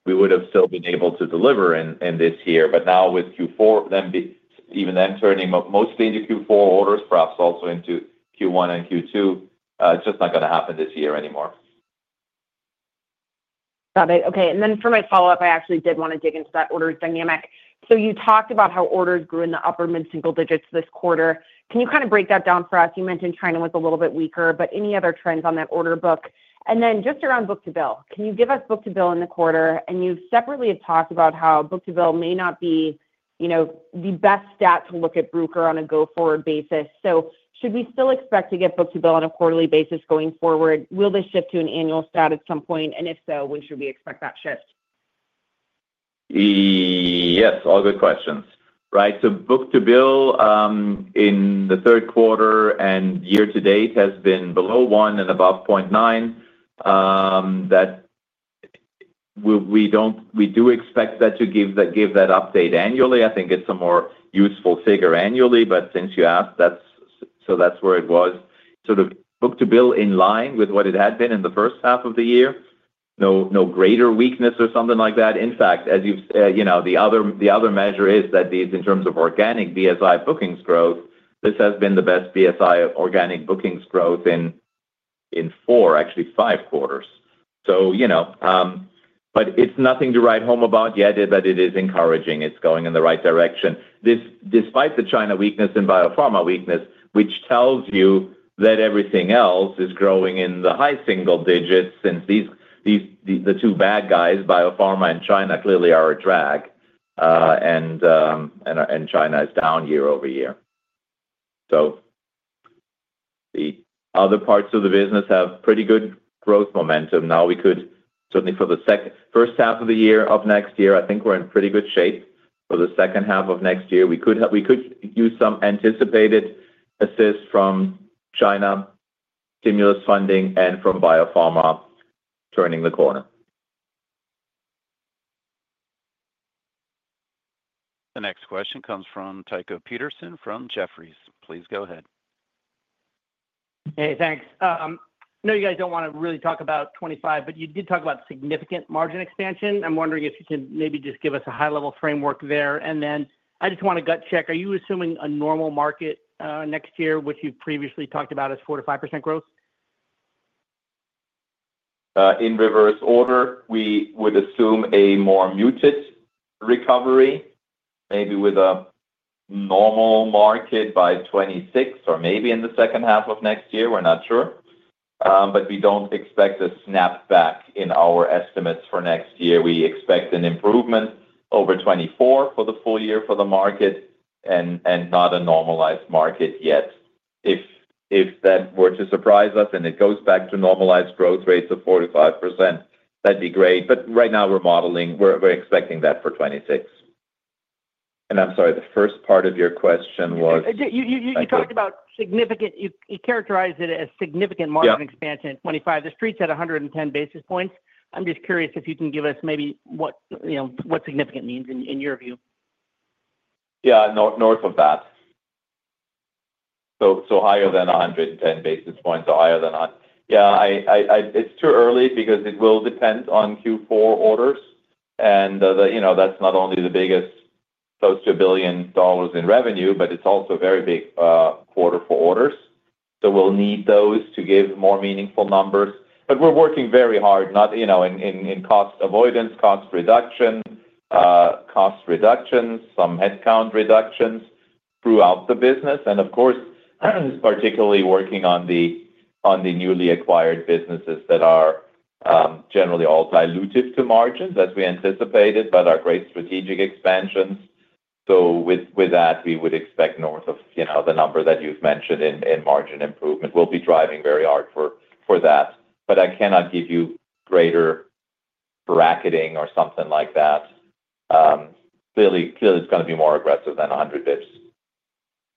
we would have still been able to deliver in this year. But now with Q4, even them turning mostly into Q4 orders, perhaps also into Q1 and Q2, it's just not going to happen this year anymore. Got it. Okay. And then for my follow-up, I actually did want to dig into that order dynamic. So you talked about how orders grew in the upper mid-single digits this quarter. Can you kind of break that down for us? You mentioned China was a little bit weaker, but any other trends on that order book? And then just around book-to-bill, can you give us book-to-bill in the quarter? And you separately have talked about how book-to-bill may not be the best stat to look at Bruker on a go-forward basis. Should we still expect to get book-to-bill on a quarterly basis going forward? Will this shift to an annual stat at some point? And if so, when should we expect that shift? Yes. All good questions. Right. So book-to-bill in the third quarter and year-to-date has been below one and above 0.9. We do expect that to give that update annually. I think it's a more useful figure annually, but since you asked, so that's where it was. Sort of book-to-bill in line with what it had been in the first half of the year. No greater weakness or something like that. In fact, as you've said, the other measure is that these in terms of organic BSI bookings growth, this has been the best BSI organic bookings growth in four, actually five quarters. But it's nothing to write home about yet, but it is encouraging. It's going in the right direction. Despite the China weakness and biopharma weakness, which tells you that everything else is growing in the high single digits since the two bad guys, biopharma and China, clearly are a drag. And China is down year-over-year. So the other parts of the business have pretty good growth momentum. Now we could certainly for the first half of the year of next year, I think we're in pretty good shape for the second half of next year. We could use some anticipated assist from China stimulus funding and from biopharma turning the corner. The next question comes from Tycho Peterson from Jefferies. Please go ahead. Hey, thanks. I know you guys don't want to really talk about 2025, but you did talk about significant margin expansion. I'm wondering if you can maybe just give us a high-level framework there. And then I just want to gut check. Are you assuming a normal market next year, which you've previously talked about as 4%-5% growth? In reverse order, we would assume a more muted recovery, maybe with a normal market by 2026 or maybe in the second half of next year. We're not sure. But we don't expect a snapback in our estimates for next year. We expect an improvement over 2024 for the full year for the market and not a normalized market yet. If that were to surprise us and it goes back to normalized growth rates of 4%-5%, that'd be great. But right now we're modeling we're expecting that for 2026. And I'm sorry, the first part of your question was? You talked about significant. You characterized it as significant margin expansion in 2025. The streets had 110 basis points. I'm just curious if you can give us maybe what significant means in your view. Yeah, north of that. So higher than 110 basis points. So higher than 100. Yeah. It's too early because it will depend on Q4 orders. And that's not only the biggest close to $1 billion in revenue, but it's also a very big quarter for orders. So we'll need those to give more meaningful numbers. But we're working very hard in cost avoidance, cost reduction, cost reductions, some headcount reductions throughout the business. And of course, particularly working on the newly acquired businesses that are generally all dilutive to margins as we anticipated, but are great strategic expansions. So with that, we would expect north of the number that you've mentioned in margin improvement. We'll be driving very hard for that, but I cannot give you greater bracketing or something like that. Clearly, it's going to be more aggressive than 100 basis points.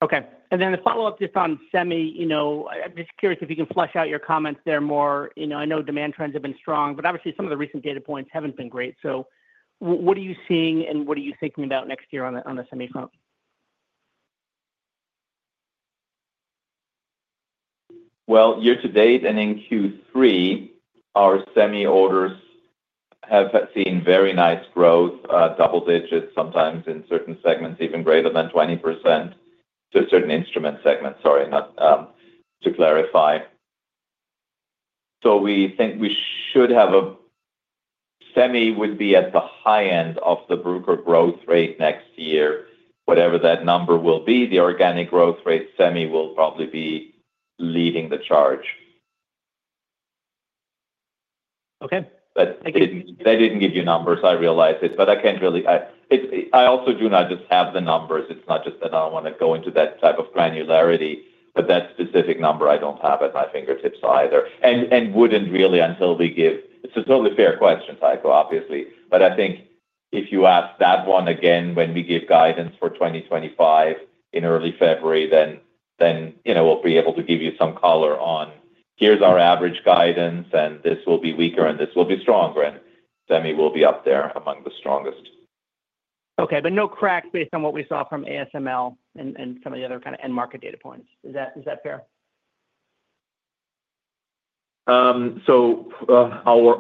Okay, and then the follow-up just on semi. I'm just curious if you can flesh out your comments there more. I know demand trends have been strong, but obviously some of the recent data points haven't been great. So what are you seeing and what are you thinking about next year on the semi front? Year-to-date and in Q3, our semi orders have seen very nice growth, double digits, sometimes in certain segments, even greater than 20% to a certain instrument segment. Sorry, to clarify. So we think semi would be at the high end of the broader growth rate next year. Whatever that number will be, the organic growth rate semi will probably be leading the charge. Okay. They didn't give you numbers. I realize it. But I can't really. I also do not just have the numbers. It's not just that I don't want to go into that type of granularity, but that specific number I don't have at my fingertips either. And wouldn't really until we give. It's a totally fair question, Tycho, obviously. But I think if you ask that one again when we give guidance for 2025 in early February, then we'll be able to give you some color on, here's our average guidance, and this will be weaker and this will be stronger. And semi will be up there among the strongest. Okay. But no cracks based on what we saw from ASML and some of the other kind of end market data points. Is that fair? So our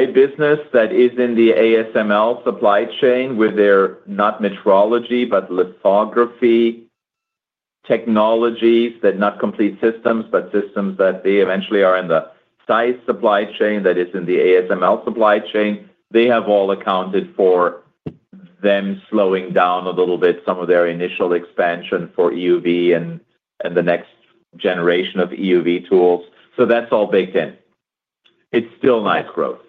RI business that is in the ASML supply chain with their not metrology, but lithography technologies that not complete systems, but systems that they eventually are in the semi supply chain that is in the ASML supply chain, they have all accounted for them slowing down a little bit, some of their initial expansion for EUV and the next generation of EUV tools. So that's all baked in. It's still nice growth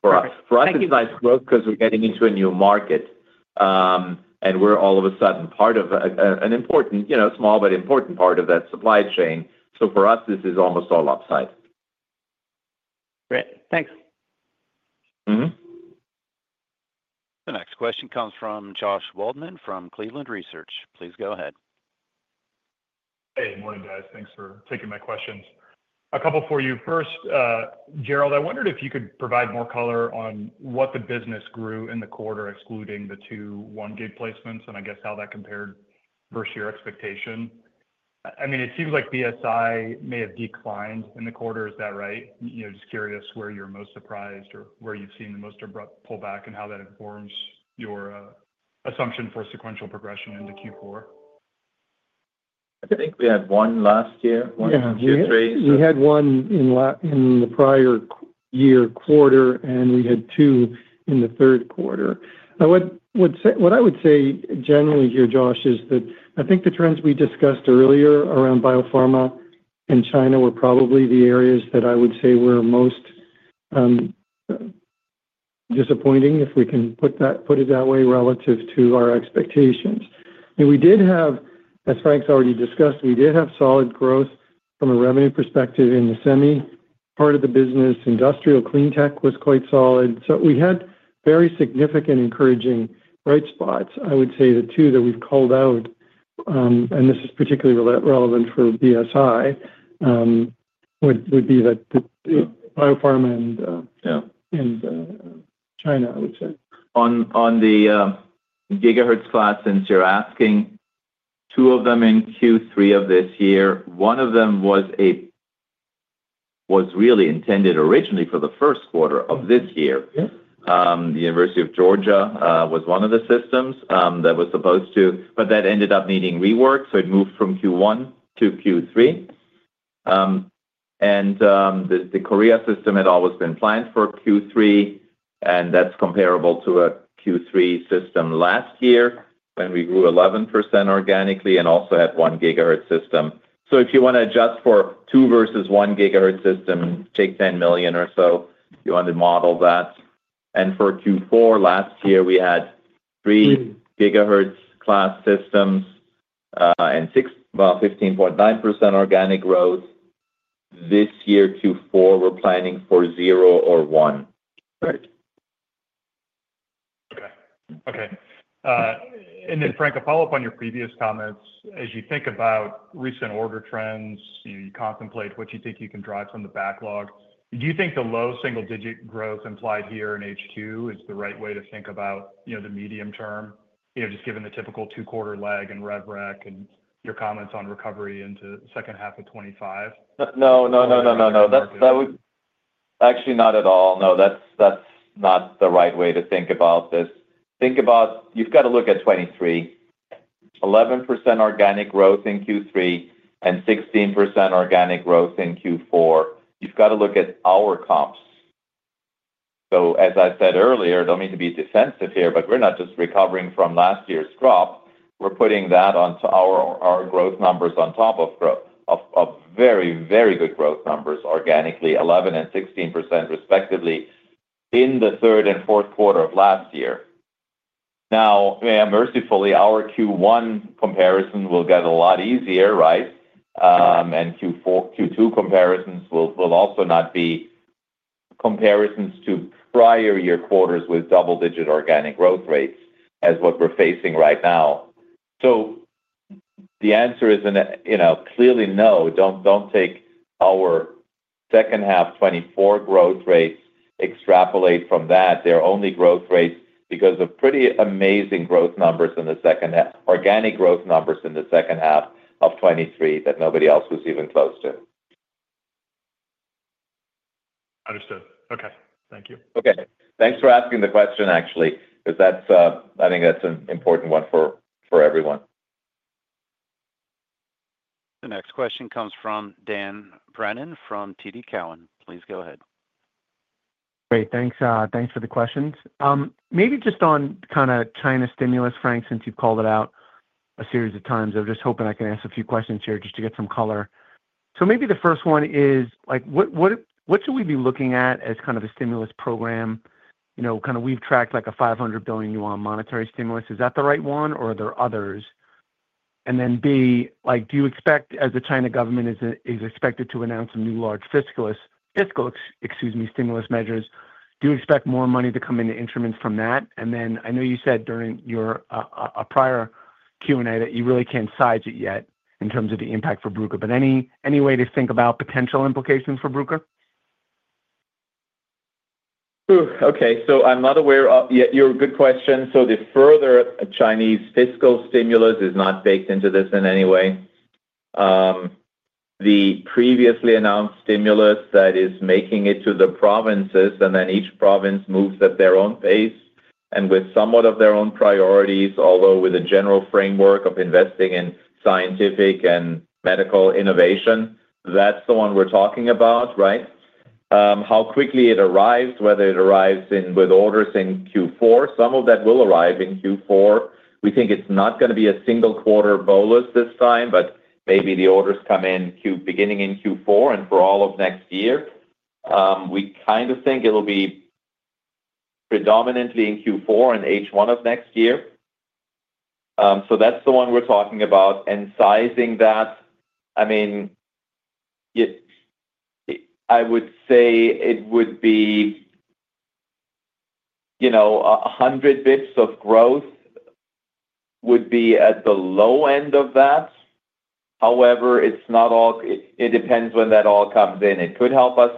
for us. For us, it's nice growth because we're getting into a new market. And we're all of a sudden part of an important, small but important part of that supply chain. So for us, this is almost all upside. Great. Thanks. The next question comes from Josh Waldman from Cleveland Research. Please go ahead. Hey, good morning, guys. Thanks for taking my questions. A couple for you. First, Gerald, I wondered if you could provide more color on what the business grew in the quarter excluding the two 1 GHz placements, and I guess how that compared versus your expectation. I mean, it seems like BSI may have declined in the quarter. Is that right? Just curious where you're most surprised or where you've seen the most abrupt pullback and how that informs your assumption for sequential progression into Q4. I think we had one last year. One in Q3. Yeah. We had one in the prior year quarter, and we had two in the third quarter. What I would say generally here, Josh, is that I think the trends we discussed earlier around biopharma and China were probably the areas that I would say were most disappointing, if we can put it that way, relative to our expectations. We did have, as Frank's already discussed, solid growth from a revenue perspective in the semi part of the business. Industrial cleantech was quite solid. We had very significant encouraging bright spots. I would say the two that we've called out, and this is particularly relevant for BSI, would be biopharma and China, I would say. On the gigahertz class, since you're asking, two of them in Q3 of this year. One of them was really intended originally for the first quarter of this year. The University of Georgia was one of the systems that was supposed to, but that ended up needing rework. It moved from Q1 to Q3. The Korea system had always been planned for Q3, and that's comparable to a Q3 system last year when we grew 11% organically and also had 1 GHz system. So if you want to adjust for two versus 1 GHz system, take $10 million or so. You want to model that. And for Q4 last year, we had three gigahertz-class systems and 15.9% organic growth. This year, Q4, we are planning for zero or one. Right. Okay. Okay. And then, Frank, a follow-up on your previous comments. As you think about recent order trends, you contemplate what you think you can drive from the backlog. Do you think the low single-digit growth implied here in H2 is the right way to think about the medium term, just given the typical two-quarter lag and rev rec and your comments on recovery into the second half of 2025? No, no, no, no, no, no. That would actually not at all. No, that is not the right way to think about this. You have got to look at 2023. 11% organic growth in Q3 and 16% organic growth in Q4. You've got to look at our comps. So, as I said earlier, don't mean to be defensive here, but we're not just recovering from last year's drop. We're putting that onto our growth numbers on top of growth, of very, very good growth numbers organically, 11% and 16% respectively in the third and fourth quarter of last year. Now, mercifully, our Q1 comparison will get a lot easier, right? And Q2 comparisons will also not be comparisons to prior year quarters with double-digit organic growth rates as what we're facing right now. So the answer is clearly no. Don't take our second half 2024 growth rates, extrapolate from that their only growth rates because of pretty amazing growth numbers in the second half, organic growth numbers in the second half of 2023 that nobody else was even close to. Understood. Okay. Thank you. Okay. Thanks for asking the question, actually, because I think that's an important one for everyone. The next question comes from Dan Brennan from TD Cowen. Please go ahead. Great. Thanks for the questions. Maybe just on kind of China stimulus, Frank, since you've called it out a series of times, I'm just hoping I can ask a few questions here just to get some color. So maybe the first one is, what should we be looking at as kind of a stimulus program? Kind of we've tracked like a 500 billion yuan monetary stimulus. Is that the right one, or are there others? And then B, do you expect, as the China government is expected to announce some new large fiscal stimulus measures, do you expect more money to come into instruments from that? Then I know you said during a prior Q&A that you really can't size it yet in terms of the impact for Bruker, but any way to think about potential implications for Bruker? Okay. That's a good question. So the further Chinese fiscal stimulus is not baked into this in any way. The previously announced stimulus that is making it to the provinces, and then each province moves at their own pace and with somewhat of their own priorities, although with a general framework of investing in scientific and medical innovation, that's the one we're talking about, right? How quickly it arrives, whether it arrives with orders in Q4. Some of that will arrive in Q4. We think it's not going to be a single quarter bolus this time, but maybe the orders come in beginning in Q4 and for all of next year. We kind of think it'll be predominantly in Q4 and H1 of next year, so that's the one we're talking about, and sizing that, I mean, I would say it would be 100 basis points of growth would be at the low end of that. However, it depends when that all comes in. It could help us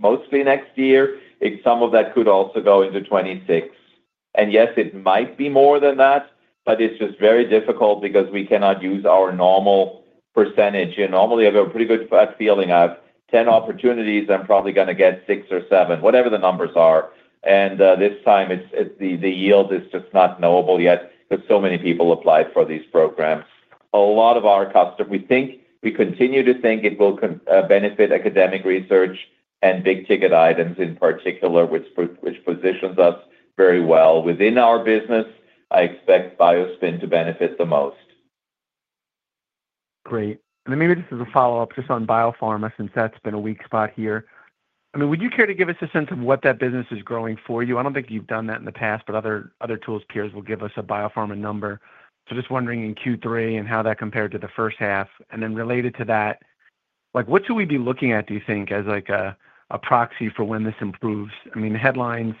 mostly next year. Some of that could also go into 2026, and yes, it might be more than that, but it's just very difficult because we cannot use our normal percentage. Normally, I have a pretty good feeling. I have 10 opportunities. I'm probably going to get six or seven, whatever the numbers are, and this time, the yield is just not knowable yet because so many people applied for these programs. A lot of our customers, we think we continue to think it will benefit academic research and big ticket items in particular, which positions us very well. Within our business, I expect BioSpin to benefit the most. Great. And then maybe just as a follow-up, just on biopharma, since that's been a weak spot here. I mean, would you care to give us a sense of what that business is growing for you? I don't think you've done that in the past, but other tools peers will give us a biopharma number. So just wondering in Q3 and how that compared to the first half. And then related to that, what should we be looking at, do you think, as a proxy for when this improves? I mean, the headlines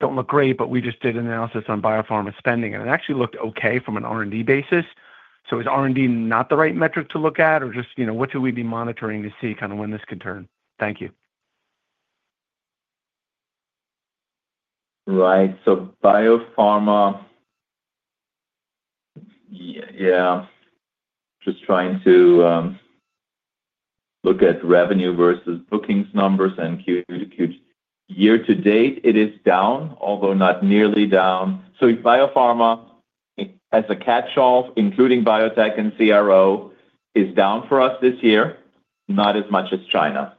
don't look great, but we just did an analysis on biopharma spending, and it actually looked okay from an R&D basis. So is R&D not the right metric to look at, or just what should we be monitoring to see kind of when this can turn? Thank you. Right. So biopharma, yeah, just trying to look at revenue versus bookings numbers and Q2 to Q3. Year-to-date, it is down, although not nearly down. So biopharma as a catchall, including biotech and CRO, is down for us this year, not as much as China.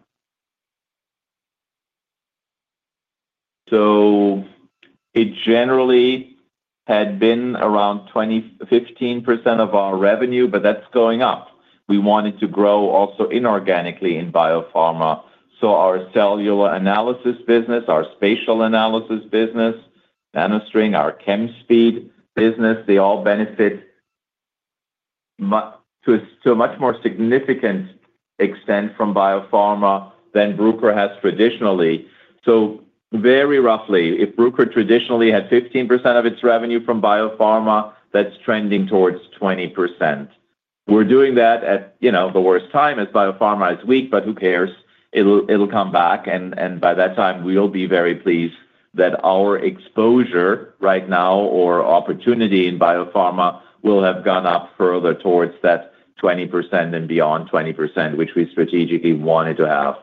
So it generally had been around 15% of our revenue, but that's going up. We wanted to grow also inorganically in biopharma. Our cellular analysis business, our spatial biology business, NanoString, our Chemspeed business, they all benefit to a much more significant extent from biopharma than Bruker has traditionally. Very roughly, if Bruker traditionally had 15% of its revenue from biopharma, that's trending towards 20%. We're doing that at the worst time as biopharma is weak, but who cares? It'll come back. And by that time, we'll be very pleased that our exposure right now or opportunity in biopharma will have gone up further towards that 20% and beyond 20%, which we strategically wanted to have.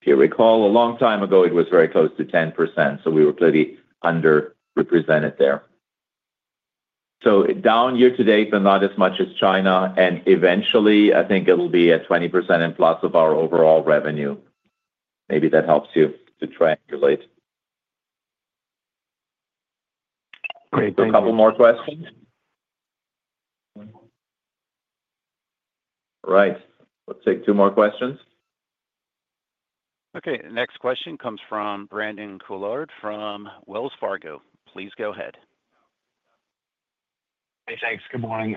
If you recall, a long time ago, it was very close to 10%. We were clearly underrepresented there. Down year-to-date, but not as much as China. And eventually, I think it'll be at 20% and plus of our overall revenue. Maybe that helps you to triangulate. Great. Thank you. A couple more questions. Right. Let's take two more questions. Okay. The next question comes from Brandon Couillard from Wells Fargo. Please go ahead. Hey, thanks. Good morning.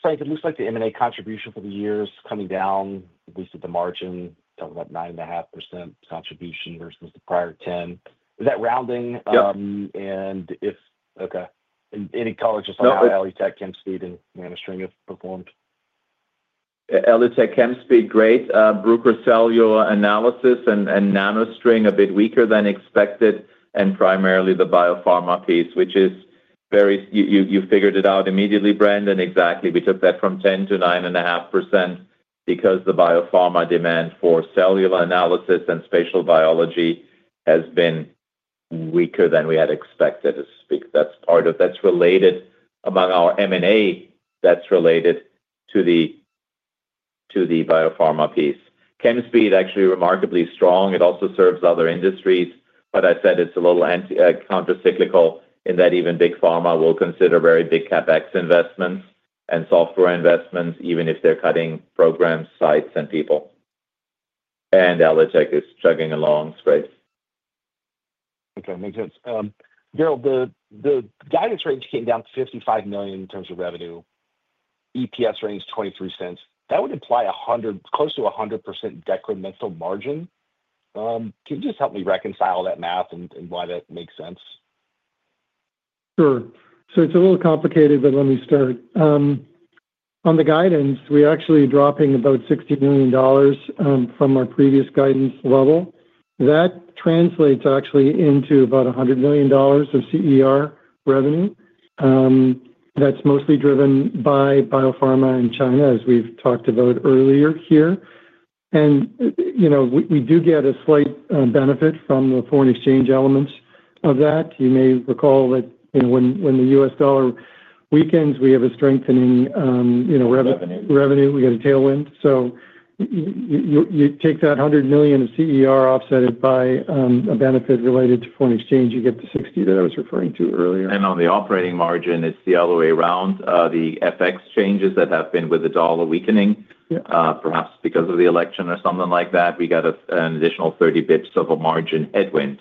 Frank, it looks like the M&A contribution for the year is coming down, at least at the margin, talking about 9.5% contribution versus the prior 10%. Is that rounding? Yes. And if okay. Any colors just on the ELITech, Chemspeed, and NanoString have performed? ELITech, Chemspeed, great. Bruker Cellular Analysis and NanoString a bit weaker than expected, and primarily the biopharma piece, which is very you figured it out immediately, Brandon, exactly. We took that from 10% to 9.5% because the biopharma demand for cellular analysis and spatial biology has been weaker than we had expected to speak. That's related among our M&A, that's related to the biopharma piece. Chemspeed actually remarkably strong. It also serves other industries. But I said it's a little countercyclical in that even big pharma will consider very big CapEx investments and software investments, even if they're cutting programs, sites, and people. And ELITech is chugging along straight. Okay. Makes sense. Gerald, the guidance range came down to $55 million in terms of revenue. EPS range $0.23. That would imply close to 100% decremental margin. Can you just help me reconcile that math and why that makes sense? Sure. So it's a little complicated, but let me start. On the guidance, we're actually dropping about $60 million from our previous guidance level. That translates actually into about $100 million of CER revenue. That's mostly driven by biopharma and China, as we've talked about earlier here. And we do get a slight benefit from the foreign exchange elements of that. You may recall that when the U.S. dollar weakens, we have a strengthening revenue. We get a tailwind. So you take that $100 million of CER, offset it by a benefit related to foreign exchange, you get the $60 million that I was referring to earlier. And on the operating margin, it's the other way around. The FX changes that have been with the dollar weakening, perhaps because of the election or something like that, we got an additional 30 basis points of a margin headwind.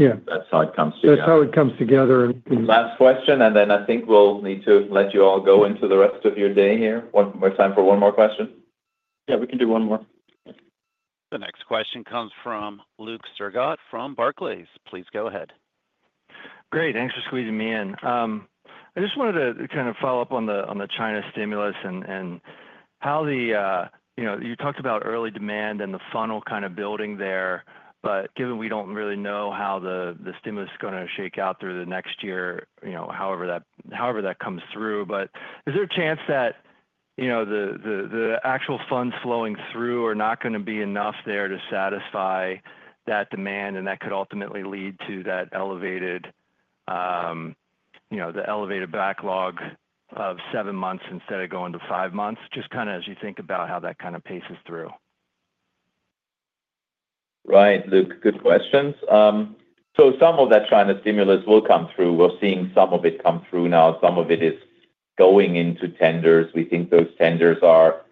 So that's how it comes together. That's how it comes together. Last question, and then I think we'll need to let you all go into the rest of your day here. One more time for one more question? Yeah, we can do one more. The next question comes from Luke Sergott from Barclays. Please go ahead. Great. Thanks for squeezing me in. I just wanted to kind of follow up on the China stimulus and how you talked about early demand and the funnel kind of building there, but given we don't really know how the stimulus is going to shake out through the next year, however that comes through, but is there a chance that the actual funds flowing through are not going to be enough there to satisfy that demand, and that could ultimately lead to that elevated backlog of seven months instead of going to five months, just kind of as you think about how that kind of paces through? Right. Luke, good questions. So some of that China stimulus will come through. We're seeing some of it come through now. Some of it is going into tenders. We think those tenders are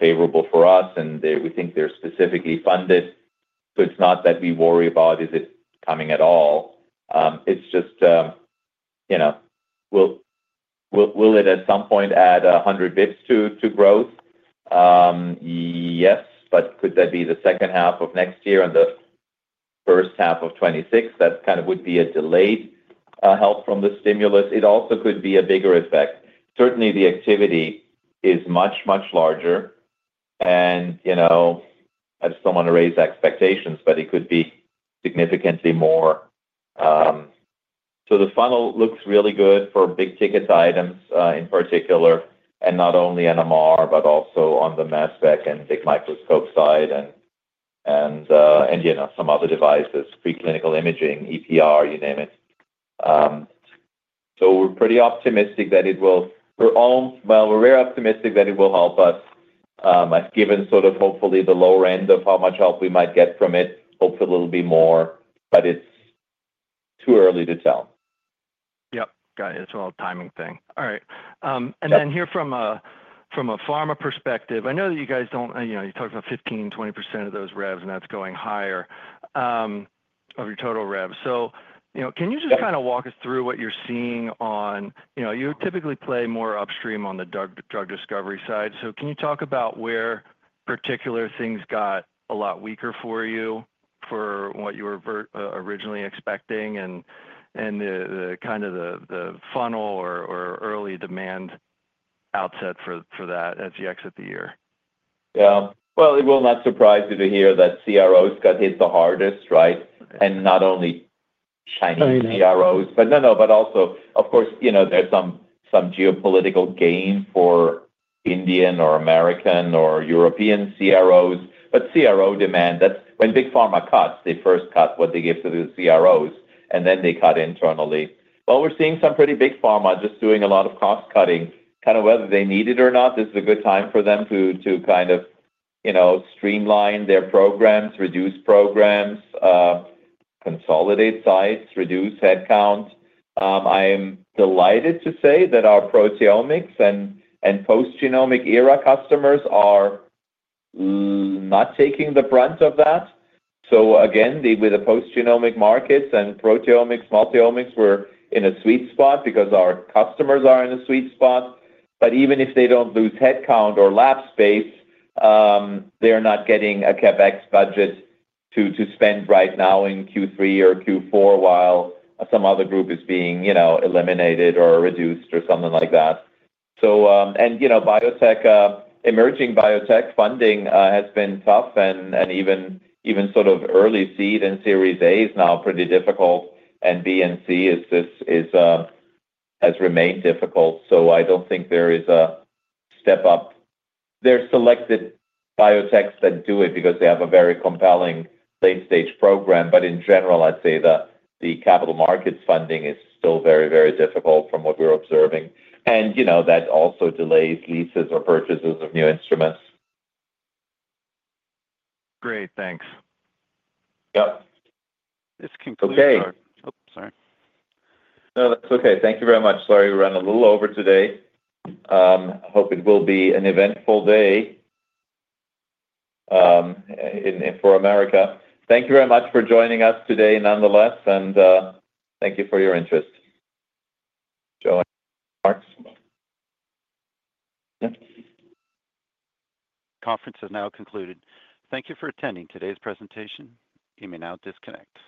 favorable for us, and we think they're specifically funded. It's not that we worry about is it coming at all. It's just, will it at some point add 100 basis points to growth? Yes, but could that be the second half of next year and the first half of 2026? That kind of would be a delayed help from the stimulus. It also could be a bigger effect. Certainly, the activity is much, much larger. And I just don't want to raise expectations, but it could be significantly more. So the funnel looks really good for big ticket items in particular, and not only NMR, but also on the mass spec and big microscope side and some other devices, preclinical imaging, EPR, you name it. So we're pretty optimistic that it will. Well, we're very optimistic that it will help us, given sort of hopefully the lower end of how much help we might get from it. Hopefully, it'll be more, but it's too early to tell. Yep. Got it. It's all a timing thing. All right. And then, here from a pharma perspective, I know that you guys, you talked about 15%-20% of those revs, and that's going higher of your total revs. So can you just kind of walk us through what you're seeing. You typically play more upstream on the drug discovery side. So can you talk about where particular things got a lot weaker for you than what you were originally expecting and kind of the funnel or early demand outlook for that as you exit the year? Yeah. Well, it will not surprise you to hear that CROs got hit the hardest, right? And not only Chinese CROs, but also, of course, there's some geopolitical gain for Indian or American or European CROs. But CRO demand, when big pharma cuts, they first cut what they give to the CROs, and then they cut internally. Well, we're seeing some pretty big pharma just doing a lot of cost cutting, kind of whether they need it or not. This is a good time for them to kind of streamline their programs, reduce programs, consolidate sites, reduce headcount. I am delighted to say that our proteomics and post-genomic era customers are not taking the brunt of that. So again, with the post-genomic markets and proteomics, multiomics, we're in a sweet spot because our customers are in a sweet spot. But even if they don't lose headcount or lab space, they're not getting a CapEx budget to spend right now in Q3 or Q4 while some other group is being eliminated or reduced or something like that. Emerging biotech funding has been tough, and even sort of early seed and Series A is now pretty difficult, and B and C has remained difficult. So I don't think there is a step up. There's selected biotechs that do it because they have a very compelling late-stage program. But in general, I'd say the capital markets funding is still very, very difficult from what we're observing. And that also delays leases or purchases of new instruments. Great. Thanks. Yep. This concludes our. Okay. Oops, sorry. No, that's okay. Thank you very much. Sorry, we ran a little over today. I hope it will be an eventful day for America. Thank you very much for joining us today nonetheless, and thank you for your interest. Joe, thanks. Yep. Conference has now concluded. Thank you for attending today's presentation. You may now disconnect.